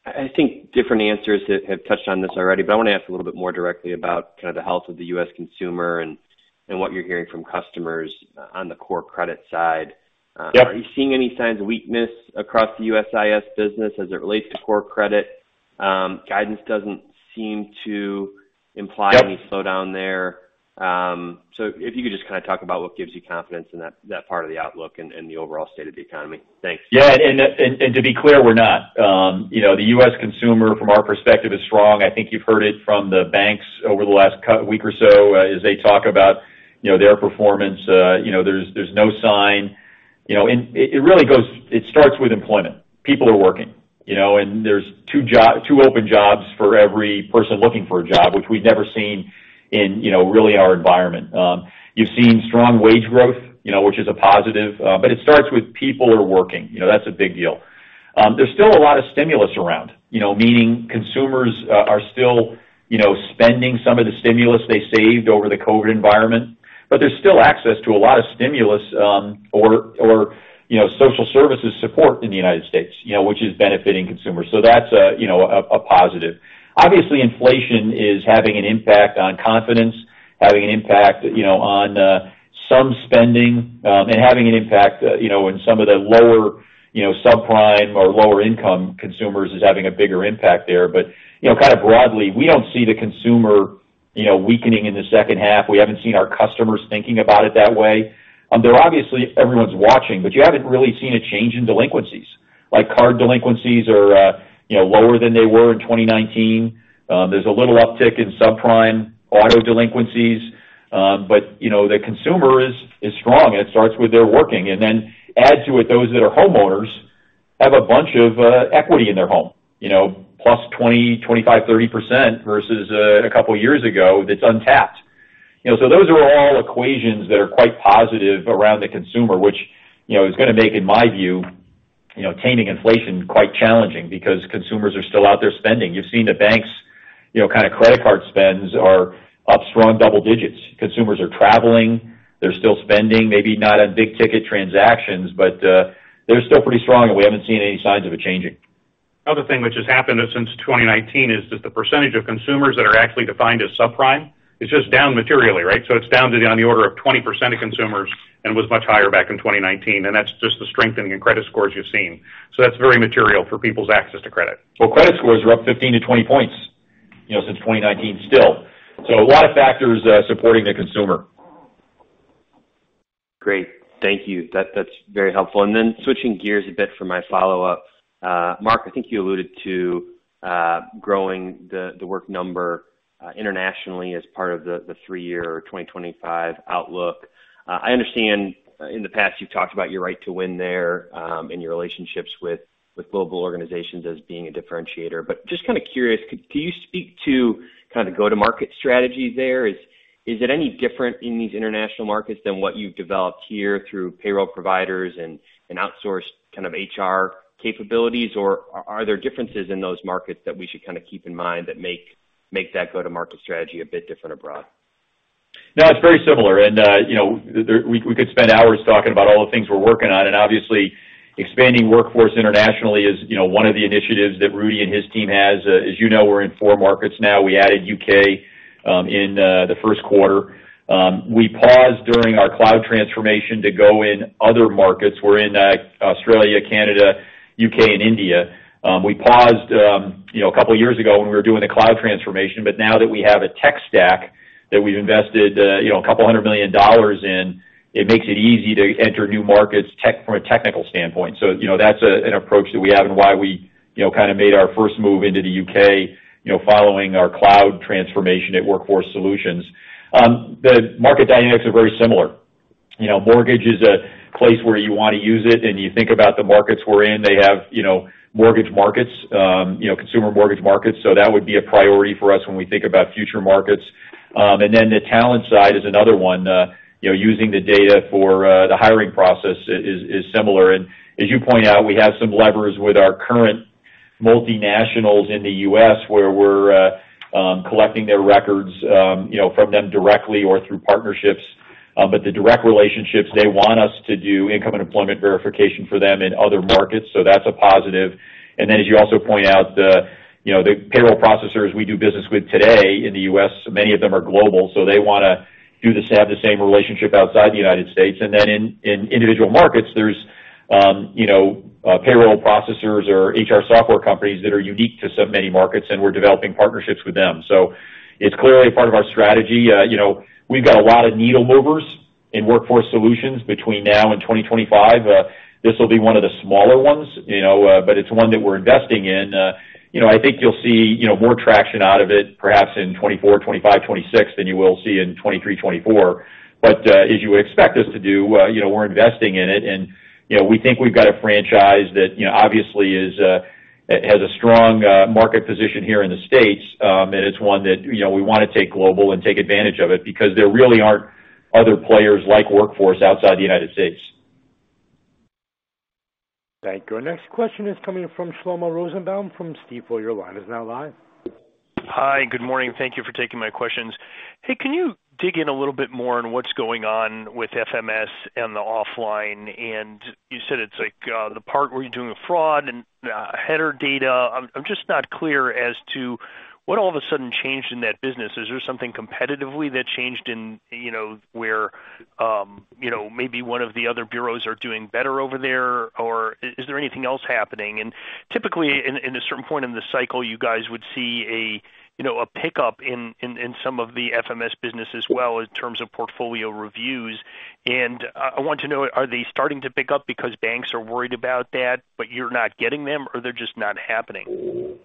Speaker 12: I think different answers have touched on this already, but I wanna ask a little bit more directly about kinda the health of the U.S. consumer and what you're hearing from customers on the core credit side.
Speaker 3: Yep.
Speaker 12: Are you seeing any signs of weakness across the USIS business as it relates to core credit? Guidance doesn't seem to imply-
Speaker 3: Yep....
Speaker 12: any slowdown there. If you could just kinda talk about what gives you confidence in that part of the outlook and the overall state of the economy. Thanks.
Speaker 3: Yeah. To be clear, we're not. You know, the U.S. consumer from our perspective is strong. I think you've heard it from the banks over the last couple of weeks or so, as they talk about, you know, their performance. You know, there's no sign. It really starts with employment. People are working, you know, and there's two open jobs for every person looking for a job, which we'd never seen in, you know, really our environment. You've seen strong wage growth, you know, which is a positive, but it starts with people are working. You know, that's a big deal. There's still a lot of stimulus around, you know, meaning consumers are still, you know, spending some of the stimulus they saved over the COVID environment. There's still access to a lot of stimulus, you know, social services support in the United States, you know, which is benefiting consumers. That's a, you know, a positive. Obviously, inflation is having an impact on confidence, having an impact, you know, on some spending, and having an impact, you know, in some of the lower, you know, subprime or lower income consumers is having a bigger impact there. You know, kind of broadly, we don't see the consumer, you know, weakening in the second half. We haven't seen our customers thinking about it that way. They're obviously everyone's watching, but you haven't really seen a change in delinquencies. Like, card delinquencies are, you know, lower than they were in 2019. There's a little uptick in subprime auto delinquencies, but, you know, the consumer is strong. It starts with they're working. Add to it those that are homeowners have a bunch of equity in their home, you know, +20%, 25%, 30% versus a couple years ago that's untapped. You know, those are all equations that are quite positive around the consumer, which, you know, is gonna make, in my view, you know, taming inflation quite challenging because consumers are still out there spending. You've seen the banks', you know, kinda credit card spends are up strong double digits. Consumers are traveling. They're still spending, maybe not on big ticket transactions, but they're still pretty strong, and we haven't seen any signs of it changing.
Speaker 4: Another thing which has happened since 2019 is that the percentage of consumers that are actually defined as subprime is just down materially, right? It's down to be on the order of 20% of consumers and was much higher back in 2019, and that's just the strengthening in credit scores you've seen. That's very material for people's access to credit.
Speaker 3: Well, credit scores are up 15-20 points, you know, since 2019 still. A lot of factors supporting the consumer.
Speaker 12: Great. Thank you. That’s very helpful. Then switching gears a bit for my follow-up. Mark, I think you alluded to growing The Work Number internationally as part of the three-year 2025 outlook. I understand in the past, you’ve talked about your right to win there, and your relationships with global organizations as being a differentiator. But just kinda curious, can you speak to kind of go-to-market strategies there? Is it any different in these international markets than what you’ve developed here through payroll providers and outsourced kind of HR capabilities, or are there differences in those markets that we should kinda keep in mind that make that go-to-market strategy a bit different abroad?
Speaker 3: No, it's very similar. We could spend hours talking about all the things we're working on. Obviously expanding Workforce internationally is, you know, one of the initiatives that Rudy and his team has. As you know, we're in four markets now. We added U.K. in the first quarter. We paused during our cloud transformation to go in other markets. We're in Australia, Canada, U.K., and India. We paused, you know, a couple years ago when we were doing the cloud transformation, but now that we have a tech stack that we've invested $200 million in, it makes it easy to enter new markets from a technical standpoint. You know, that's an approach that we have and why we, you know, kinda made our first move into the U.K., you know, following our cloud transformation at Workforce Solutions. The market dynamics are very similar. You know, mortgage is a place where you wanna use it, and you think about the markets we're in, they have, you know, mortgage markets, you know, consumer mortgage markets. That would be a priority for us when we think about future markets. The talent side is another one. You know, using the data for the hiring process is similar. As you point out, we have some levers with our current multinationals in the U.S. where we're collecting their records, you know, from them directly or through partnerships. The direct relationships, they want us to do income and employment verification for them in other markets, so that's a positive. As you also point out, the, you know, the payroll processors we do business with today in the U.S., many of them are global, so they wanna have the same relationship outside the United States. In individual markets, there's, you know, payroll processors or HR software companies that are unique to so many markets, and we're developing partnerships with them. It's clearly a part of our strategy. You know, we've got a lot of needle movers in Workforce Solutions between now and 2025. This will be one of the smaller ones, you know, but it's one that we're investing in. I think you'll see, you know, more traction out of it, perhaps in 2024, 2025, 2026 than you will see in 2023, 2024. As you would expect us to do, you know, we're investing in it. You know, we think we've got a franchise that, you know, obviously has a strong market position here in the States. It's one that, you know, we wanna take global and take advantage of it because there really aren't other players like Workforce outside the United States.
Speaker 1: Thank you. Our next question is coming from Shlomo Rosenbaum from Stifel. Your line is now live.
Speaker 13: Hi. Good morning. Thank you for taking my questions. Hey, can you dig in a little bit more on what's going on with FMS and the offline? You said it's like the part where you're doing a fraud and header data. I'm just not clear as to what all of a sudden changed in that business. Is there something competitively that changed in, you know, where, maybe one of the other bureaus are doing better over there? Or is there anything else happening? Typically, in a certain point in the cycle, you guys would see a pickup in some of the FMS business as well in terms of portfolio reviews. I want to know, are they starting to pick up because banks are worried about that, but you're not getting them, or they're just not happening?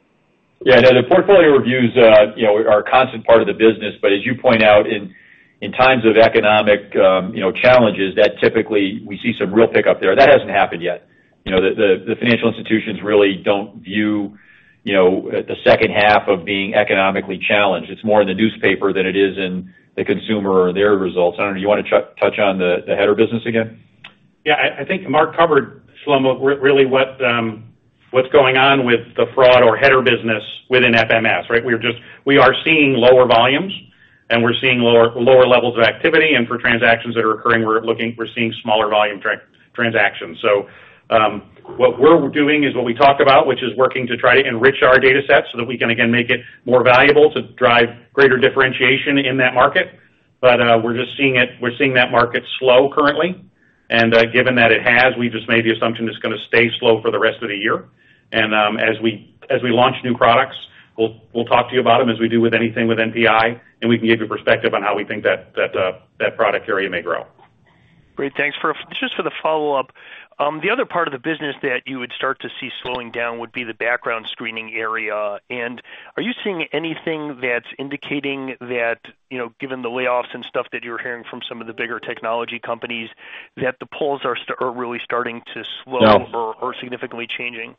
Speaker 3: Yeah, no, the portfolio reviews, you know, are a constant part of the business. As you point out, in times of economic, you know, challenges that typically we see some real pickup there. That hasn't happened yet. You know, the financial institutions really don't view, you know, the second half of being economically challenged. It's more in the newspaper than it is in the consumer or their results. John, do you wanna touch on the employer business again?
Speaker 4: Yeah. I think Mark covered, Shlomo, really what's going on with the fraud or header business within FMS, right? We are seeing lower volumes, and we're seeing lower levels of activity. For transactions that are occurring, we're seeing smaller volume transactions. What we're doing is what we talked about, which is working to try to enrich our data set so that we can again make it more valuable to drive greater differentiation in that market. We're just seeing it. We're seeing that market slow currently. Given that it has, we just made the assumption it's gonna stay slow for the rest of the year. As we launch new products, we'll talk to you about them as we do with anything with NPI, and we can give you perspective on how we think that product area may grow.
Speaker 13: Great. Thanks. For just the follow-up, the other part of the business that you would start to see slowing down would be the background screening area. Are you seeing anything that's indicating that, you know, given the layoffs and stuff that you're hearing from some of the bigger technology companies, that the polls are really starting to slow?
Speaker 3: No.
Speaker 13: Significantly changing?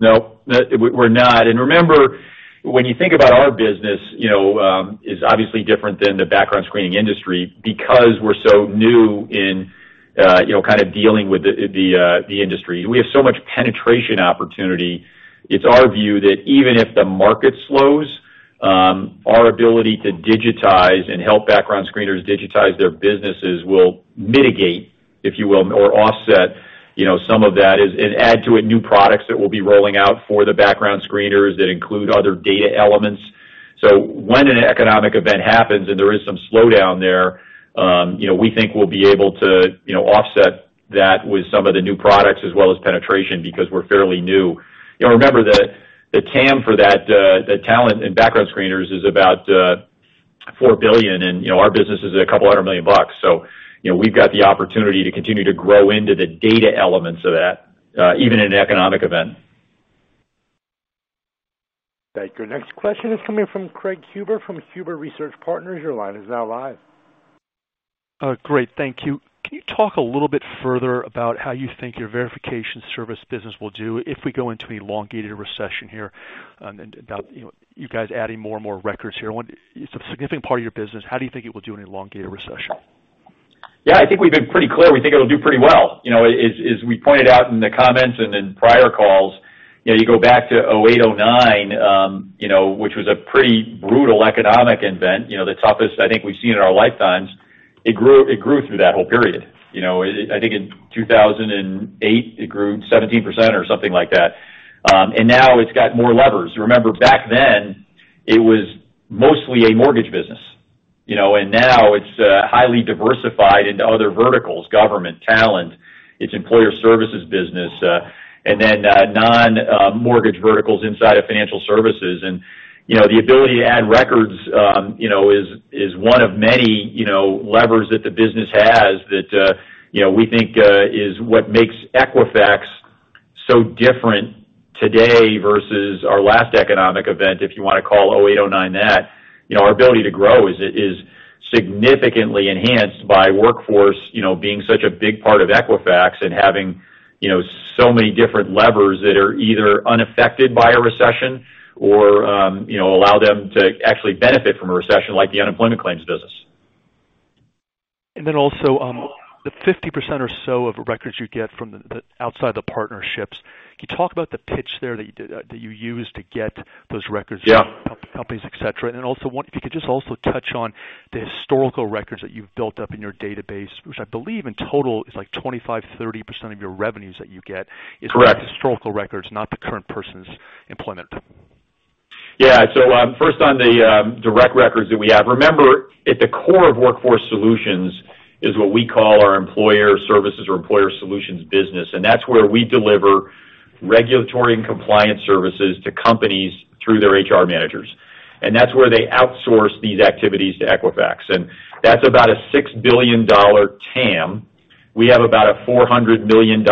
Speaker 3: No. We're not. Remember, when you think about our business, you know, is obviously different than the background screening industry because we're so new in, you know, kind of dealing with the industry. We have so much penetration opportunity. It's our view that even if the market slows, our ability to digitize and help background screeners digitize their businesses will mitigate, if you will, or offset, you know, some of that. Add to it new products that we'll be rolling out for the background screeners that include other data elements. When an economic event happens and there is some slowdown there, you know, we think we'll be able to, you know, offset that with some of the new products as well as penetration because we're fairly new. You know, remember the TAM for that, the talent and background screeners is about $4 billion, and, you know, our business is a couple $100 million. You know, we've got the opportunity to continue to grow into the data elements of that, even in an economic event.
Speaker 1: Thank you. Next question is coming from Craig Huber from Huber Research Partners. Your line is now live.
Speaker 14: Great. Thank you. Can you talk a little bit further about how you think your verification service business will do if we go into an elongated recession here? About, you know, you guys adding more and more records here. It's a significant part of your business. How do you think it will do in an elongated recession?
Speaker 3: Yeah. I think we've been pretty clear. We think it'll do pretty well. You know, as we pointed out in the comments and in prior calls, you know, you go back to 2008, 2009, which was a pretty brutal economic event, you know, the toughest I think we've seen in our lifetimes, it grew through that whole period. You know, I think in 2008 it grew 17% or something like that. Now it's got more levers. Remember back then, it was mostly a mortgage business, you know, and now it's highly diversified into other verticals, government, talent, its Employer Services business, and then non-mortgage verticals inside of financial services. You know, the ability to add records, you know, is one of many, you know, levers that the business has that, you know, we think is what makes Equifax so different today versus our last economic event, if you wanna call 2008, 2009 that. You know, our ability to grow is significantly enhanced by Workforce, you know, being such a big part of Equifax and having, you know, so many different levers that are either unaffected by a recession or, you know, allow them to actually benefit from a recession like the unemployment claims business.
Speaker 14: The 50% or so of records you get from the outside the partnerships. Can you talk about the pitch there that you use to get those records?
Speaker 3: Yeah.
Speaker 14: from companies, et cetera. If you could just also touch on the historical records that you've built up in your database, which I believe in total is like 25%-30% of your revenues that you get.
Speaker 3: Correct.
Speaker 14: It's historical records, not the current person's employment.
Speaker 3: First on the direct records that we have. Remember, at the core of Workforce Solutions is what we call our Employer Services or employer solutions business, and that's where we deliver regulatory and compliance services to companies through their HR managers. That's where they outsource these activities to Equifax. That's about a $6 billion TAM. We have about a $400 million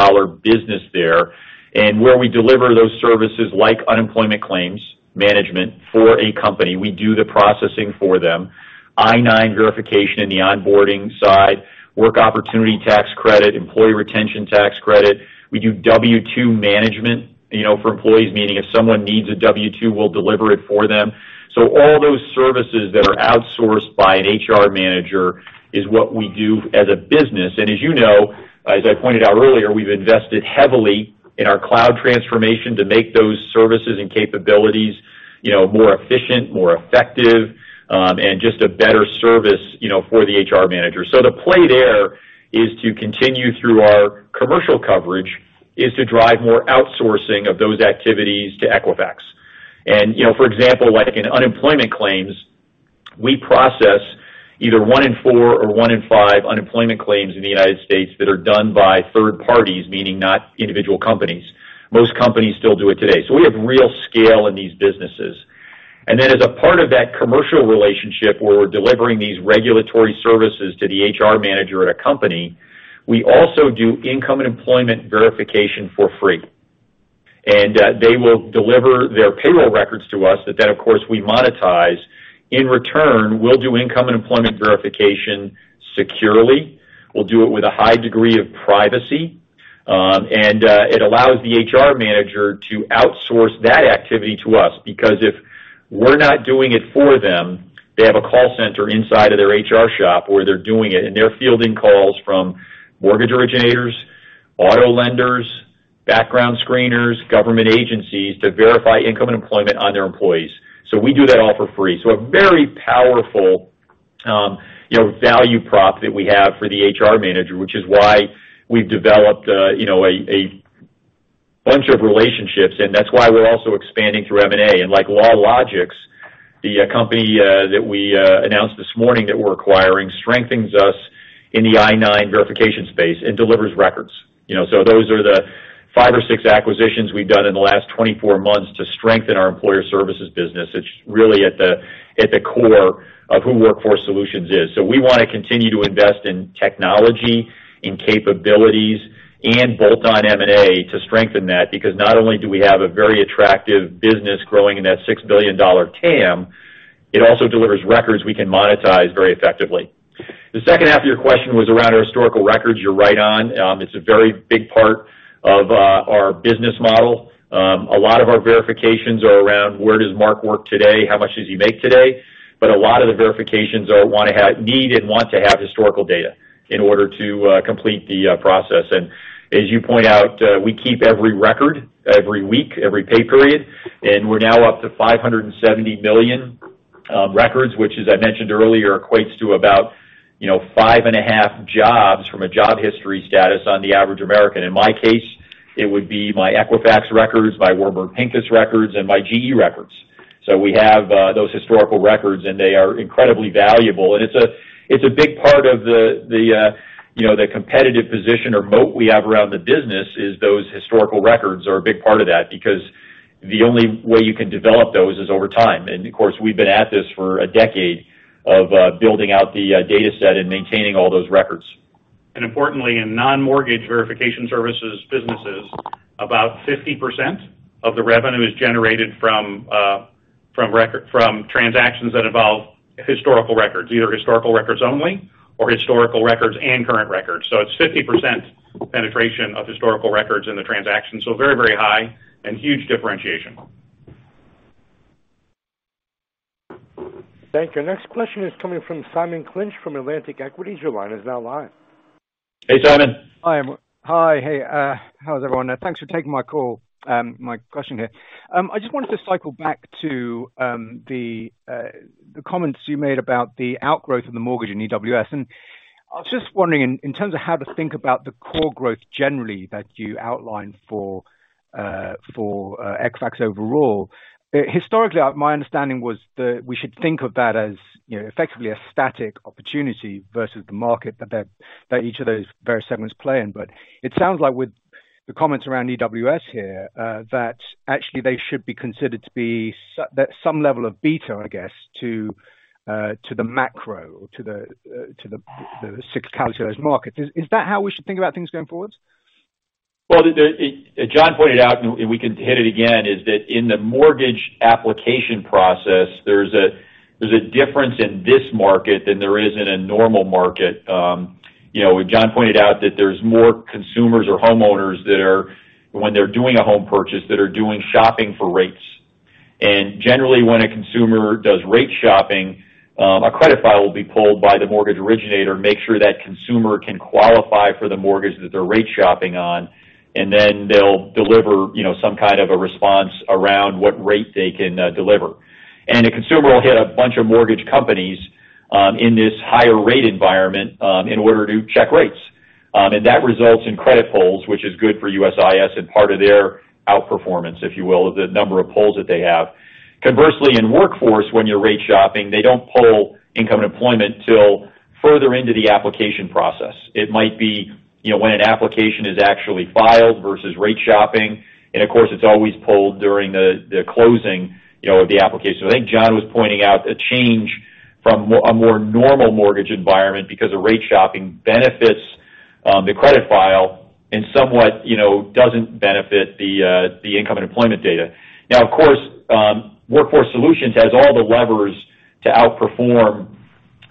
Speaker 3: business there. Where we deliver those services, like unemployment claims management for a company, we do the processing for them. I-9 verification in the onboarding side, Work Opportunity Tax Credit, Employee Retention Tax Credit. We do W-2 management, you know, for employees, meaning if someone needs a W-2, we'll deliver it for them. All those services that are outsourced by an HR manager is what we do as a business. As you know, as I pointed out earlier, we've invested heavily in our cloud transformation to make those services and capabilities, you know, more efficient, more effective, and just a better service, you know, for the HR manager. The play there is to continue through our commercial coverage, is to drive more outsourcing of those activities to Equifax. You know, for example, like in unemployment claims, we process either one-in-four or one-in-five unemployment claims in the United States that are done by third parties, meaning not individual companies. Most companies still do it today. We have real scale in these businesses. As a part of that commercial relationship where we're delivering these regulatory services to the HR manager at a company, we also do income and employment verification for free. They will deliver their payroll records to us that then, of course, we monetize. In return, we'll do income and employment verification securely. We'll do it with a high degree of privacy. It allows the HR manager to outsource that activity to us, because if we're not doing it for them, they have a call center inside of their HR shop where they're doing it, and they're fielding calls from mortgage originators, auto lenders, background screeners, government agencies to verify income and employment on their employees. We do that all for free. A very powerful, you know, value prop that we have for the HR manager, which is why we've developed, you know, a bunch of relationships, and that's why we're also expanding through M&A. Like LawLogix, the company that we announced this morning that we're acquiring strengthens us in the I-9 verification space and delivers records. You know, those are the five or six acquisitions we've done in the last 24 months to strengthen our Employer Services business. It's really at the core of who Workforce Solutions is. We wanna continue to invest in technology and capabilities and bolt on M&A to strengthen that, because not only do we have a very attractive business growing in that $6 billion TAM, it also delivers records we can monetize very effectively. The second half of your question was around our historical records. You're right on. It's a very big part of our business model. A lot of our verifications are around where does Mark work today? How much does he make today? A lot of the verifications need and want to have historical data in order to complete the process. As you point out, we keep every record every week, every pay period, and we're now up to 570 million records, which, as I mentioned earlier, equates to about, you know, 5.5 jobs from a job history status on the average American. In my case, it would be my Equifax records, my Warburg Pincus records, and my GE records. We have those historical records, and they are incredibly valuable. It's a big part of the you know, the competitive position or moat we have around the business, is those historical records are a big part of that, because the only way you can develop those is over time. Of course, we've been at this for a decade of building out the data set and maintaining all those records. Importantly, in non-mortgage verification services businesses, about 50% of the revenue is generated from transactions that involve historical records, either historical records only or historical records and current records. It's 50% penetration of historical records in the transaction. Very high and huge differentiation.
Speaker 1: Thank you. Next question is coming from Simon Clinch from Atlantic Equities. Your line is now live.
Speaker 3: Hey, Simon.
Speaker 15: Hi. Hi. Hey. How is everyone? Thanks for taking my call. My question here. I just wanted to cycle back to the comments you made about the outgrowth of the mortgage in EWS. I was just wondering in terms of how to think about the core growth generally that you outlined for Equifax overall. Historically, my understanding was that we should think of that as, you know, effectively a static opportunity versus the market that each of those various segments play in. It sounds like with the comments around EWS here that actually they should be considered to be at some level of beta, I guess, to the macro or to the cyclical markets. Is that how we should think about things going forward?
Speaker 3: John pointed out, and we can hit it again, is that in the mortgage application process, there's a difference in this market than there is in a normal market. You know, John pointed out that there's more consumers or homeowners that are, when they're doing a home purchase, that are doing shopping for rates. Generally, when a consumer does rate shopping, a credit file will be pulled by the mortgage originator, make sure that consumer can qualify for the mortgage that they're rate shopping on, and then they'll deliver, you know, some kind of a response around what rate they can deliver. The consumer will hit a bunch of mortgage companies, in this higher rate environment, in order to check rates. That results in credit pulls, which is good for USIS and part of their outperformance, if you will, the number of pulls that they have. Conversely, in Workforce, when you're rate shopping, they don't pull income and employment till further into the application process. It might be, you know, when an application is actually filed versus rate shopping. Of course, it's always pulled during the closing, you know, of the application. I think John was pointing out a change from more normal mortgage environment because the rate shopping benefits the credit file and somewhat, you know, doesn't benefit the income and employment data. Now, of course, Workforce Solutions has all the levers to outperform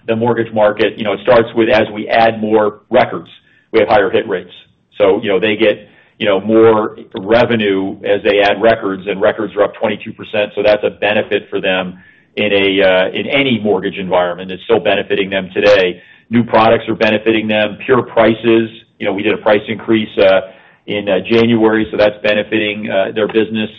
Speaker 3: the mortgage market. You know, it starts with, as we add more records, we have higher hit rates. They get more revenue as they add records, and records are up 22%, so that's a benefit for them in any mortgage environment. It's still benefiting them today. New products are benefiting them. Our prices, we did a price increase in January, so that's benefiting their business.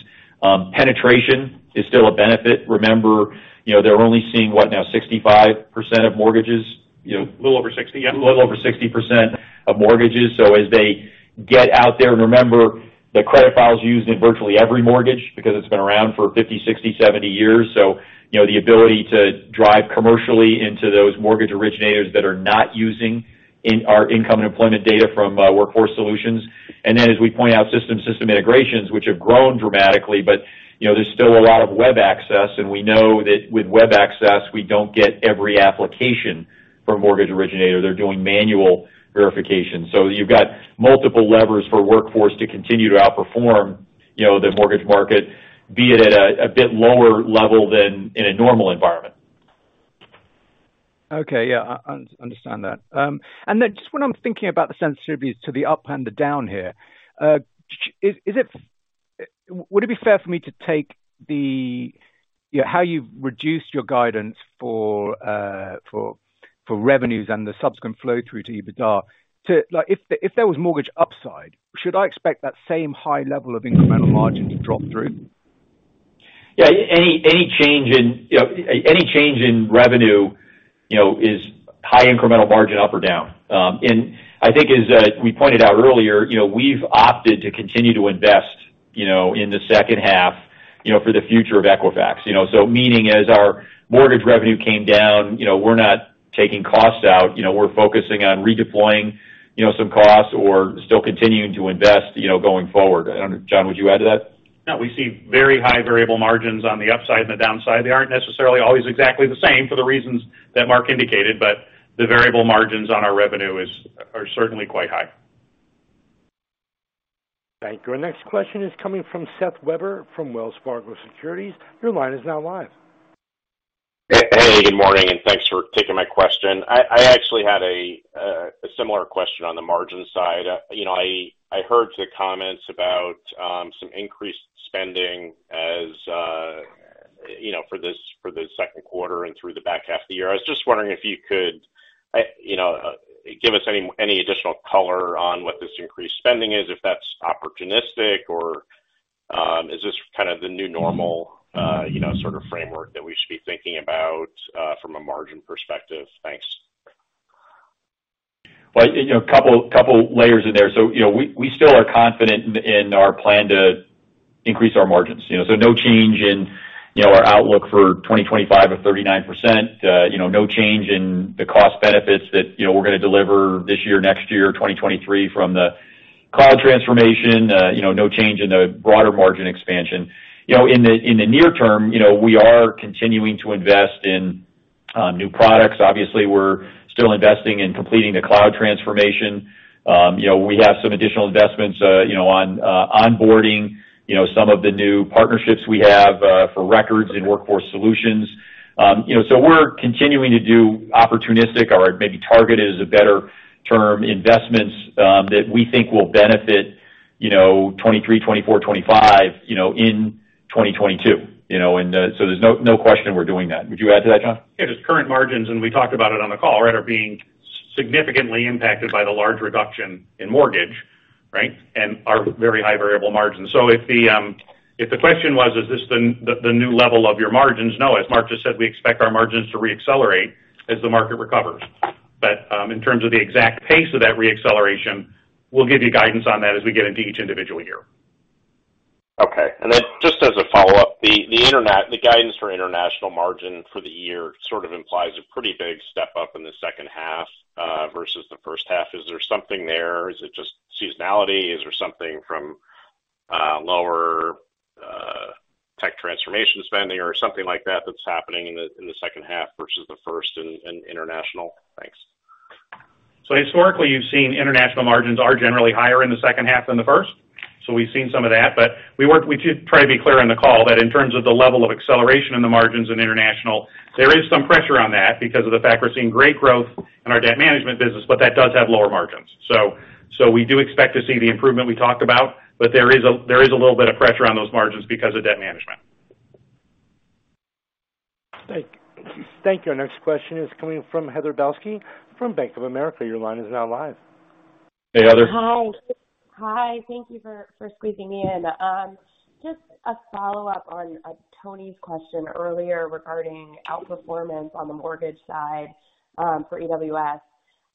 Speaker 3: Penetration is still a benefit. Remember, they're only seeing what now? 65% of mortgages.
Speaker 4: Little over 60%, yeah.
Speaker 3: A little over 60% of mortgages. As they get out there, and remember, the credit file is used in virtually every mortgage because it's been around for 50, 60, 70 years. You know, the ability to drive commercially into those mortgage originators that are not using our income and employment data from Workforce Solutions. As we point out system integrations, which have grown dramatically, but you know, there's still a lot of web access. We know that with web access, we don't get every application for mortgage originator. They're doing manual verification. You've got multiple levers for Workforce to continue to outperform, you know, the mortgage market, be it at a bit lower level than in a normal environment.
Speaker 15: Okay. Yeah. I understand that. Just when I'm thinking about the sensitivities to the up and the down here, would it be fair for me to take how you've reduced your guidance for revenues and the subsequent flow through to EBITDA to like, if there was mortgage upside, should I expect that same high level of incremental margin to drop through?
Speaker 3: Yeah. Any change in revenue, you know, is high incremental margin up or down. I think as we pointed out earlier, you know, we've opted to continue to invest, you know, in the second half, you know, for the future of Equifax, you know. Meaning as our mortgage revenue came down, you know, we're not taking costs out. You know, we're focusing on redeploying, you know, some costs or still continuing to invest, you know, going forward. I don't know. John, would you add to that?
Speaker 4: No. We see very high variable margins on the upside and the downside. They aren't necessarily always exactly the same for the reasons that Mark indicated, but the variable margins on our revenue are certainly quite high.
Speaker 1: Thank you. Our next question is coming from Seth Weber from Wells Fargo Securities. Your line is now live.
Speaker 16: Hey, good morning, thanks for taking my question. I actually had a similar question on the margin side. You know, I heard the comments about some increased spending as you know, for the second quarter and through the back half of the year. I was just wondering if you could you know, give us any additional color on what this increased spending is, if that's opportunistic or is this kind of the new normal you know, sort of framework that we should be thinking about from a margin perspective? Thanks.
Speaker 3: Well, you know, a couple layers in there. You know, we still are confident in our plan to increase our margins. You know, so no change in our outlook for 2025 or 39%. You know, no change in the cost benefits that we're gonna deliver this year, next year, 2023 from the cloud transformation. You know, no change in the broader margin expansion. You know, in the near term, we are continuing to invest in new products. Obviously, we're still investing in completing the cloud transformation. You know, we have some additional investments, you know, on onboarding some of the new partnerships we have for records in Workforce Solutions. You know, we're continuing to do opportunistic or maybe targeted is a better term, investments that we think will benefit, you know, 2023, 2024, 2025, you know, in 2022, you know. There's no question we're doing that. Would you add to that, John?
Speaker 4: Yeah. Just current margins, and we talked about it on the call, right? Are being significantly impacted by the large reduction in mortgage, right? Our very high variable margins. If the question was, is this the new level of your margins? No. As Mark just said, we expect our margins to reaccelerate as the market recovers. In terms of the exact pace of that reacceleration, we'll give you guidance on that as we get into each individual year.
Speaker 16: Okay. Then just as a follow-up, the guidance for international margin for the year sort of implies a pretty big step-up in the second half versus the first half. Is there something there? Is it just seasonality? Is there something from lower tech transformation spending or something like that that's happening in the second half versus the first in international? Thanks.
Speaker 4: Historically, you've seen international margins are generally higher in the second half than the first. We've seen some of that. We do try to be clear on the call that in terms of the level of acceleration in the margins in international, there is some pressure on that because of the fact we're seeing great growth in our debt management business, but that does have lower margins. We do expect to see the improvement we talked about, but there is a, there is a little bit of pressure on those margins because of debt management.
Speaker 1: Thank you. Our next question is coming from Heather Balsky from Bank of America. Your line is now live.
Speaker 4: Hey, Heather.
Speaker 17: Hi. Thank you for squeezing me in. Just a follow-up on Toni's question earlier regarding outperformance on the mortgage side for EWS.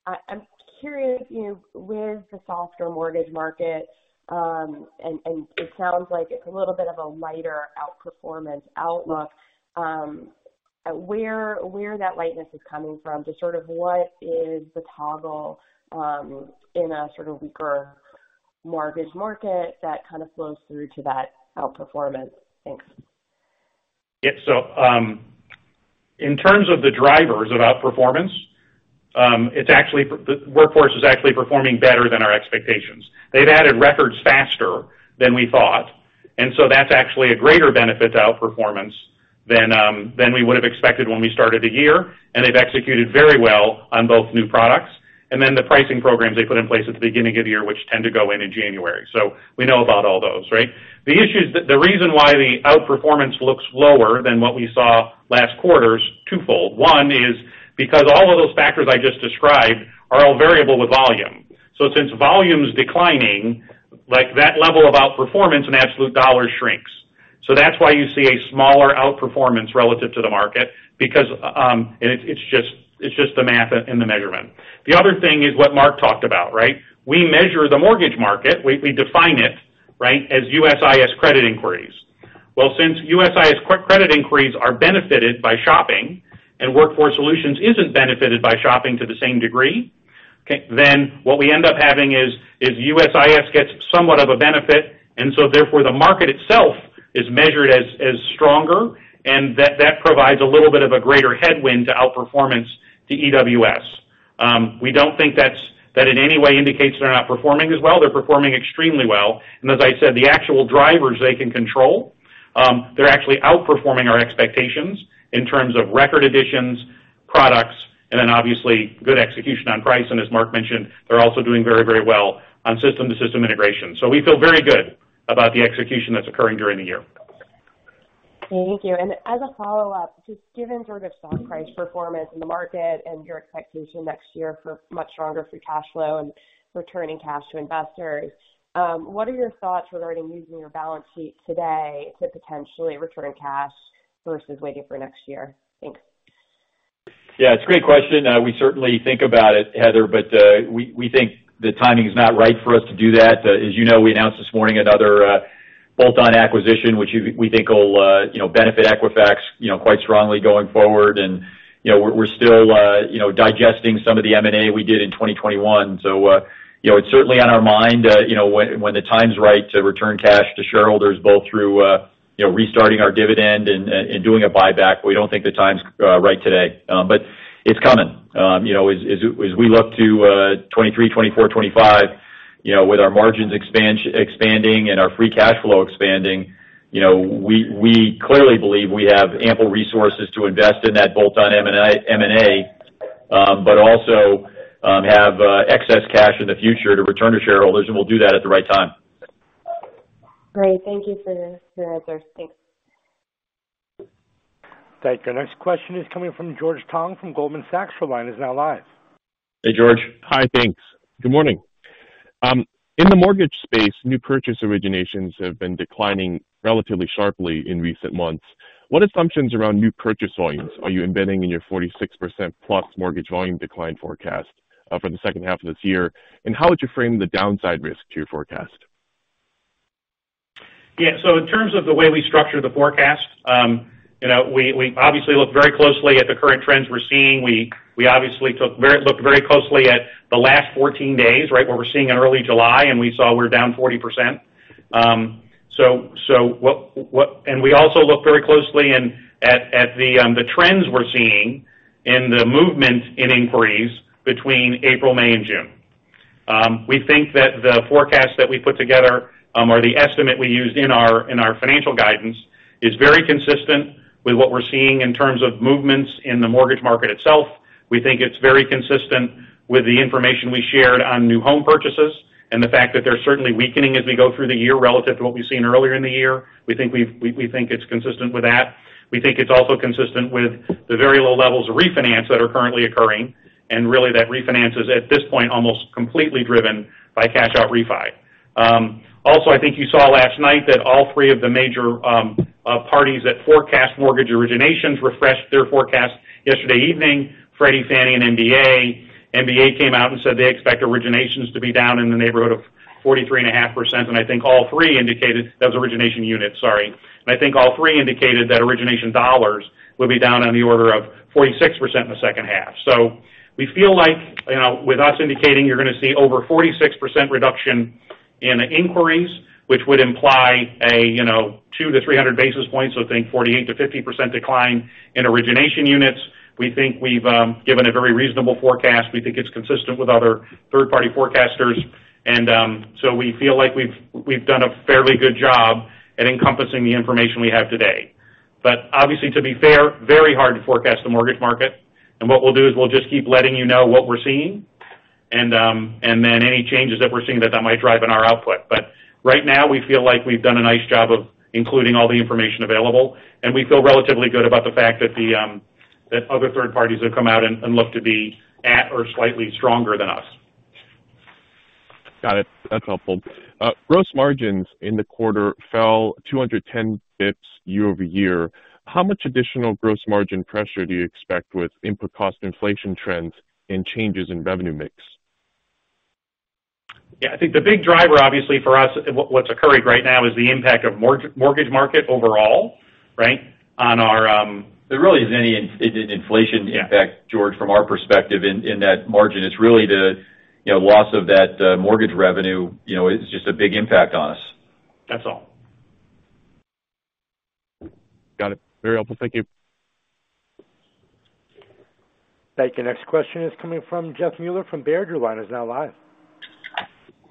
Speaker 17: I'm curious, you know, with the softer mortgage market, and it sounds like it's a little bit of a lighter outperformance outlook, where that lightness is coming from? Just sort of what is the toggle in a sort of weaker mortgage market that kind of flows through to that outperformance? Thanks.
Speaker 4: Yeah. In terms of the drivers of outperformance, it's actually the Workforce is actually performing better than our expectations. They've added records faster than we thought, and so that's actually a greater benefit to outperformance than than we would've expected when we started the year. They've executed very well on both new products and then the pricing programs they put in place at the beginning of the year, which tend to go in in January. We know about all those, right? The issue is the reason why the outperformance looks lower than what we saw last quarter is twofold. One is because all of those factors I just described are all variable with volume. Since volume is declining, like, that level of outperformance in absolute dollars shrinks. That's why you see a smaller outperformance relative to the market because. It's just the math and the measurement. The other thing is what Mark talked about, right? We measure the mortgage market. We define it, right, as USIS credit inquiries. Well, since USIS credit inquiries are benefited by shopping and Workforce Solutions isn't benefited by shopping to the same degree, okay, then what we end up having is USIS gets somewhat of a benefit, and so therefore, the market itself is measured as stronger, and that provides a little bit of a greater headwind to outperformance to EWS. We don't think that's in any way indicates they're not performing as well. They're performing extremely well. As I said, the actual drivers they can control, they're actually outperforming our expectations in terms of record additions, products, and then obviously good execution on price. As Mark mentioned, they're also doing very, very well on system-to-system integration. We feel very good about the execution that's occurring during the year.
Speaker 17: Thank you. As a follow-up, just given sort of stock price performance in the market and your expectation next year for much stronger free cash flow and returning cash to investors, what are your thoughts regarding using your balance sheet today to potentially return cash versus waiting for next year? Thanks.
Speaker 3: Yeah, it's a great question. We certainly think about it, Heather, but we think the timing is not right for us to do that. As you know, we announced this morning another bolt-on acquisition, which we think will you know benefit Equifax you know quite strongly going forward. We're still you know digesting some of the M&A we did in 2021. It's certainly on our mind you know when the time's right to return cash to shareholders both through you know restarting our dividend and doing a buyback. We don't think the time's right today. It's coming. You know, as we look to 2023, 2024, 2025, you know, with our margins expanding and our free cash flow expanding, you know, we clearly believe we have ample resources to invest in that bolt-on M&A, but also have excess cash in the future to return to shareholders, and we'll do that at the right time.
Speaker 17: Great. Thank you for your answers. Thanks.
Speaker 1: Thank you. Our next question is coming from George Tong from Goldman Sachs. Your line is now live.
Speaker 4: Hey, George.
Speaker 18: Hi. Thanks. Good morning. In the mortgage space, new purchase originations have been declining relatively sharply in recent months. What assumptions around new purchase volumes are you embedding in your 46%+ mortgage volume decline forecast for the second half of this year? And how would you frame the downside risk to your forecast?
Speaker 4: Yeah. In terms of the way we structure the forecast, you know, we obviously look very closely at the current trends we're seeing. We obviously looked very closely at the last 14 days, right, what we're seeing in early July, and we saw we're down 40%. We also looked very closely at the trends we're seeing and the movement in inquiries between April, May and June. We think that the forecast that we put together, or the estimate we used in our financial guidance is very consistent with what we're seeing in terms of movements in the mortgage market itself. We think it's very consistent with the information we shared on new home purchases and the fact that they're certainly weakening as we go through the year relative to what we've seen earlier in the year. We think it's consistent with that. We think it's also consistent with the very low levels of refinance that are currently occurring, and really that refinance is, at this point, almost completely driven by cash-out refi. Also, I think you saw last night that all three of the major parties that forecast mortgage originations refreshed their forecast yesterday evening, Freddie Mac, Fannie Mae and MBA. MBA came out and said they expect originations to be down in the neighborhood of 43.5%, and I think all three indicated that was origination units, sorry. I think all three indicated that origination dollars will be down on the order of 46% in the second half. We feel like, you know, with us indicating you're gonna see over 46% reduction in inquiries, which would imply a, you know, 200-300 basis points. Think 48%-50% decline in origination units. We think we've given a very reasonable forecast. We think it's consistent with other third-party forecasters. We feel like we've done a fairly good job at encompassing the information we have today. Obviously, to be fair, very hard to forecast the mortgage market. What we'll do is we'll just keep letting you know what we're seeing and then any changes that we're seeing that might drive in our output. Right now, we feel like we've done a nice job of including all the information available, and we feel relatively good about the fact that other third parties have come out and look to be at or slightly stronger than us.
Speaker 18: Got it. That's helpful. Gross margins in the quarter fell 210 basis points year-over-year. How much additional gross margin pressure do you expect with input cost inflation trends and changes in revenue mix?
Speaker 4: Yeah. I think the big driver, obviously, for us, what's occurring right now is the impact of mortgage market overall, right, on our,
Speaker 3: There really isn't any inflation impact.
Speaker 4: Yeah.
Speaker 3: George, from our perspective in that margin. It's really the, you know, loss of that mortgage revenue, you know, is just a big impact on us.
Speaker 4: That's all.
Speaker 18: Got it. Very helpful. Thank you.
Speaker 1: Thank you. Next question is coming from Jeff Meuler from Baird. Your line is now live.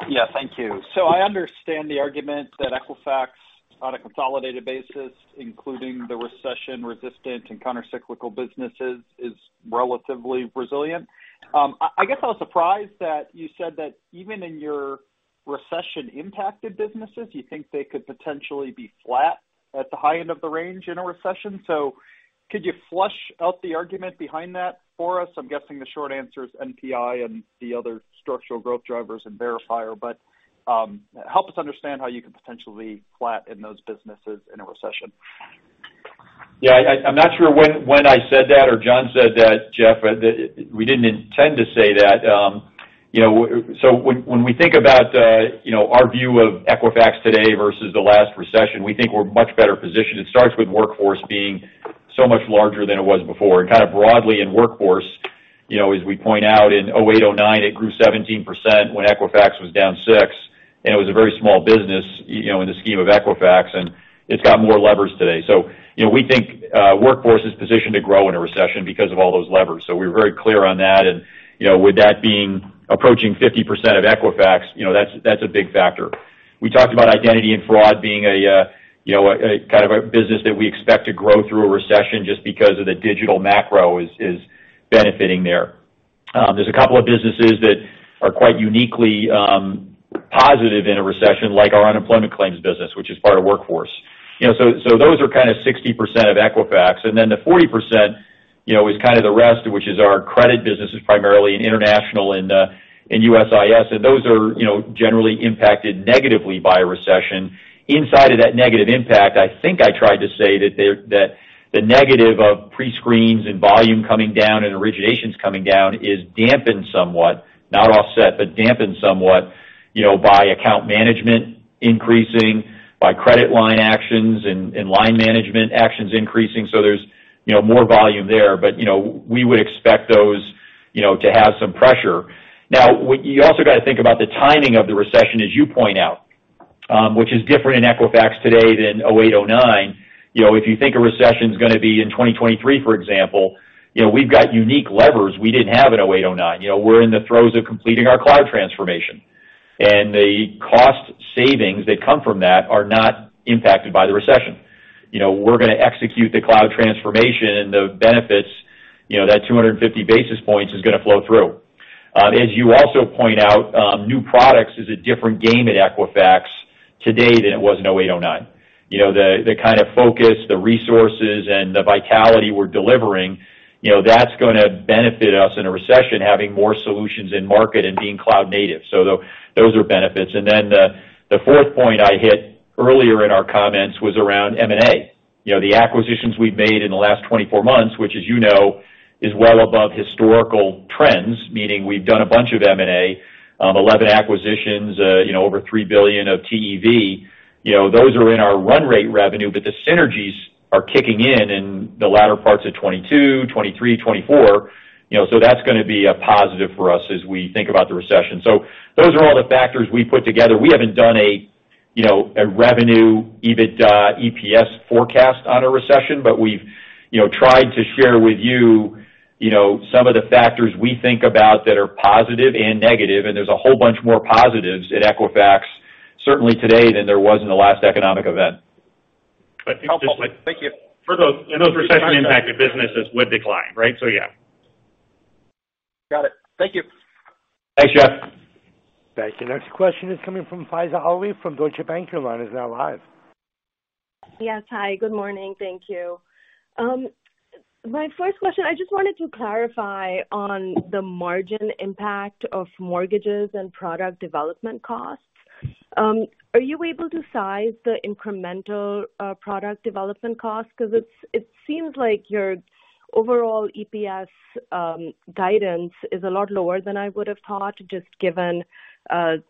Speaker 19: Yeah. Thank you. I understand the argument that Equifax on a consolidated basis, including the recession resistant and countercyclical businesses, is relatively resilient. I guess I was surprised that you said that even in your recession impacted businesses, you think they could potentially be flat at the high end of the range in a recession. Could you flesh out the argument behind that for us? I'm guessing the short answer is NPI and the other structural growth drivers and Verifier, but help us understand how you could potentially be flat in those businesses in a recession.
Speaker 3: Yeah. I'm not sure when I said that or John said that, Jeff. We didn't intend to say that. When we think about our view of Equifax today versus the last recession, we think we're much better positioned. It starts with Workforce being so much larger than it was before. Kind of broadly in Workforce, as we point out, in 2008, 2009, it grew 17% when Equifax was down 6%, and it was a very small business in the scheme of Equifax, and it's got more levers today. We think Workforce is positioned to grow in a recession because of all those levers. We're very clear on that. With that being approaching 50% of Equifax, that's a big factor. We talked about Identity and Fraud being a kind of a business that we expect to grow through a recession just because of the digital macro is benefiting there. There's a couple of businesses that are quite uniquely positive in a recession, like our unemployment claims business, which is part of Workforce. You know, so those are kinda 60% of Equifax. Then the 40%, you know, is kind of the rest, which is our credit businesses primarily in international and in USIS. Those are, you know, generally impacted negatively by a recession. Inside of that negative impact, I think I tried to say that the negative of prescreens and volume coming down and originations coming down is dampened somewhat, not offset, but dampened somewhat, you know, by account management increasing, by credit line actions and line management actions increasing. There's, you know, more volume there. You know, we would expect those, you know, to have some pressure. Now, you also gotta think about the timing of the recession, as you point out, which is different in Equifax today than 2008, 2009. You know, if you think a recession's gonna be in 2023, for example, you know, we've got unique levers we didn't have in 2008, 2009. You know, we're in the throes of completing our cloud transformation, and the cost savings that come from that are not impacted by the recession. You know, we're gonna execute the cloud transformation and the benefits, you know, that 250 basis points is gonna flow through. As you also point out, new products is a different game at Equifax today than it was in 2008, 2009. You know, the kind of focus, the resources, and the vitality we're delivering, you know, that's gonna benefit us in a recession, having more solutions in market and being cloud native. Those are benefits. The fourth point I hit earlier in our comments was around M&A. You know, the acquisitions we've made in the last 24 months, which, as you know, is well above historical trends, meaning we've done a bunch of M&A, 11 acquisitions, you know, over $3 billion of TEV. You know, those are in our run rate revenue, but the synergies are kicking in in the latter parts of 2022, 2023, 2024. You know, that's gonna be a positive for us as we think about the recession. Those are all the factors we put together. We haven't done a, you know, a revenue, EBITDA, EPS forecast on a recession, but we've, you know, tried to share with you know, some of the factors we think about that are positive and negative, and there's a whole bunch more positives at Equifax certainly today than there was in the last economic event.
Speaker 19: Helpful. Thank you.
Speaker 4: Those recession impacted businesses would decline, right? Yeah.
Speaker 19: Got it. Thank you.
Speaker 3: Thanks, Jeff.
Speaker 1: Thank you. Next question is coming from Faiza Alwy from Deutsche Bank. Your line is now live.
Speaker 20: Yes. Hi. Good morning. Thank you. My first question, I just wanted to clarify on the margin impact of mortgages and product development costs. Are you able to size the incremental product development cost? 'Cause it seems like your overall EPS guidance is a lot lower than I would have thought, just given,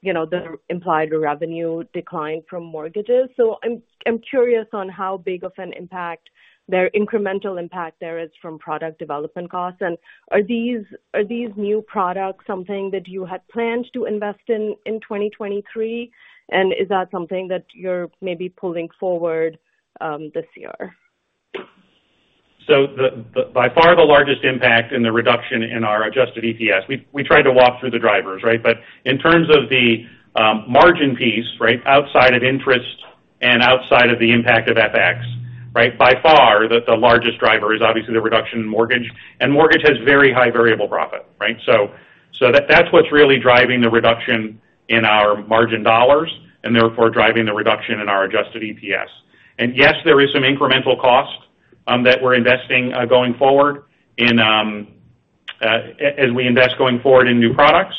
Speaker 20: you know, the implied revenue decline from mortgages. I'm curious on how big of an impact their incremental impact there is from product development costs. And are these new products something that you had planned to invest in in 2023? And is that something that you're maybe pulling forward this year?
Speaker 4: By far the largest impact in the reduction in our Adjusted EPS, we tried to walk through the drivers, right? In terms of the margin piece, right, outside of interest and outside of the impact of FX, right, by far the largest driver is obviously the reduction in mortgage. Mortgage has very high variable profit, right? That's what's really driving the reduction in our margin dollars and therefore driving the reduction in our Adjusted EPS. Yes, there is some incremental cost that we're investing going forward in as we invest going forward in new products,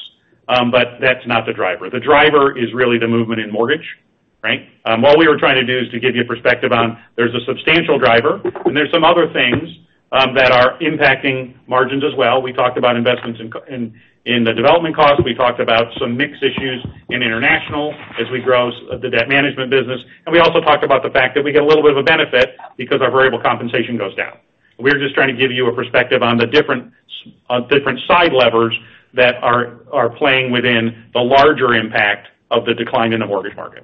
Speaker 4: but that's not the driver. The driver is really the movement in mortgage, right? What we were trying to do is to give you perspective on. There's a substantial driver and there's some other things that are impacting margins as well. We talked about investments in the development costs. We talked about some mix issues in international as we grow the debt management business. We also talked about the fact that we get a little bit of a benefit because our variable compensation goes down. We're just trying to give you a perspective on the different side levers that are playing within the larger impact of the decline in the mortgage market.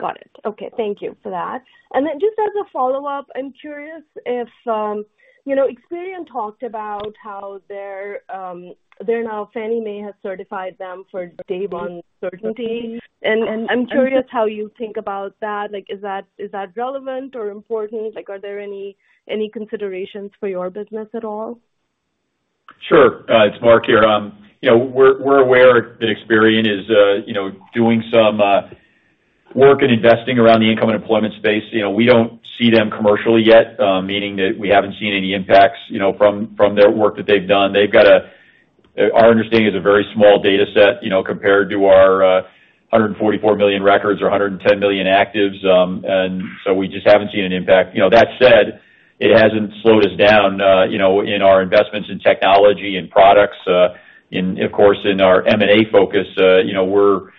Speaker 20: Got it. Okay. Thank you for that. Just as a follow-up, I'm curious if, you know, Experian talked about how they're now Fannie Mae has certified them for Day One Certainty. I'm curious how you think about that. Like, is that relevant or important? Like, are there any considerations for your business at all?
Speaker 3: Sure. It's Mark here. You know, we're aware that Experian is, you know, doing some work and investing around the income and employment space. You know, we don't see them commercially yet, meaning that we haven't seen any impacts, you know, from their work that they've done. Our understanding is a very small data set, you know, compared to our 144 million records or 110 million actives. We just haven't seen an impact. You know, that said, it hasn't slowed us down, you know, in our investments in technology and products, in, of course, our M&A focus. You know, we're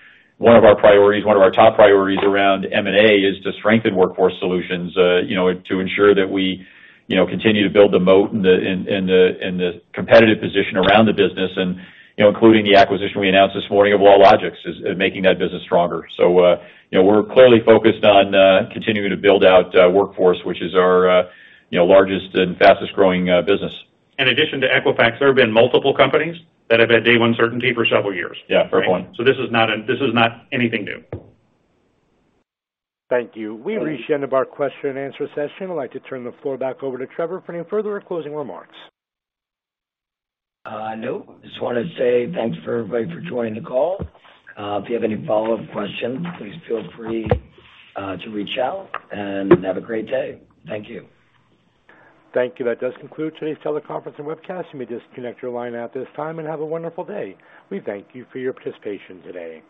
Speaker 3: one of our priorities, one of our top priorities around M&A is to strengthen Workforce Solutions, you know, to ensure that we, you know, continue to build the moat and the competitive position around the business and, you know, including the acquisition we announced this morning of LawLogix is making that business stronger. You know, we're clearly focused on continuing to build out Workforce, which is our, you know, largest and fastest growing business. In addition to Equifax, there have been multiple companies that have had Day One Certainty for several years. Yeah. For a point. This is not anything new.
Speaker 1: Thank you. We've reached the end of our question-and-answer session. I'd like to turn the floor back over to Trevor for any further closing remarks.
Speaker 2: Nope. Just wanna say thanks for everybody for joining the call. If you have any follow-up questions, please feel free to reach out and have a great day. Thank you.
Speaker 1: Thank you. That does conclude today's teleconference and webcast. You may disconnect your line at this time and have a wonderful day. We thank you for your participation today.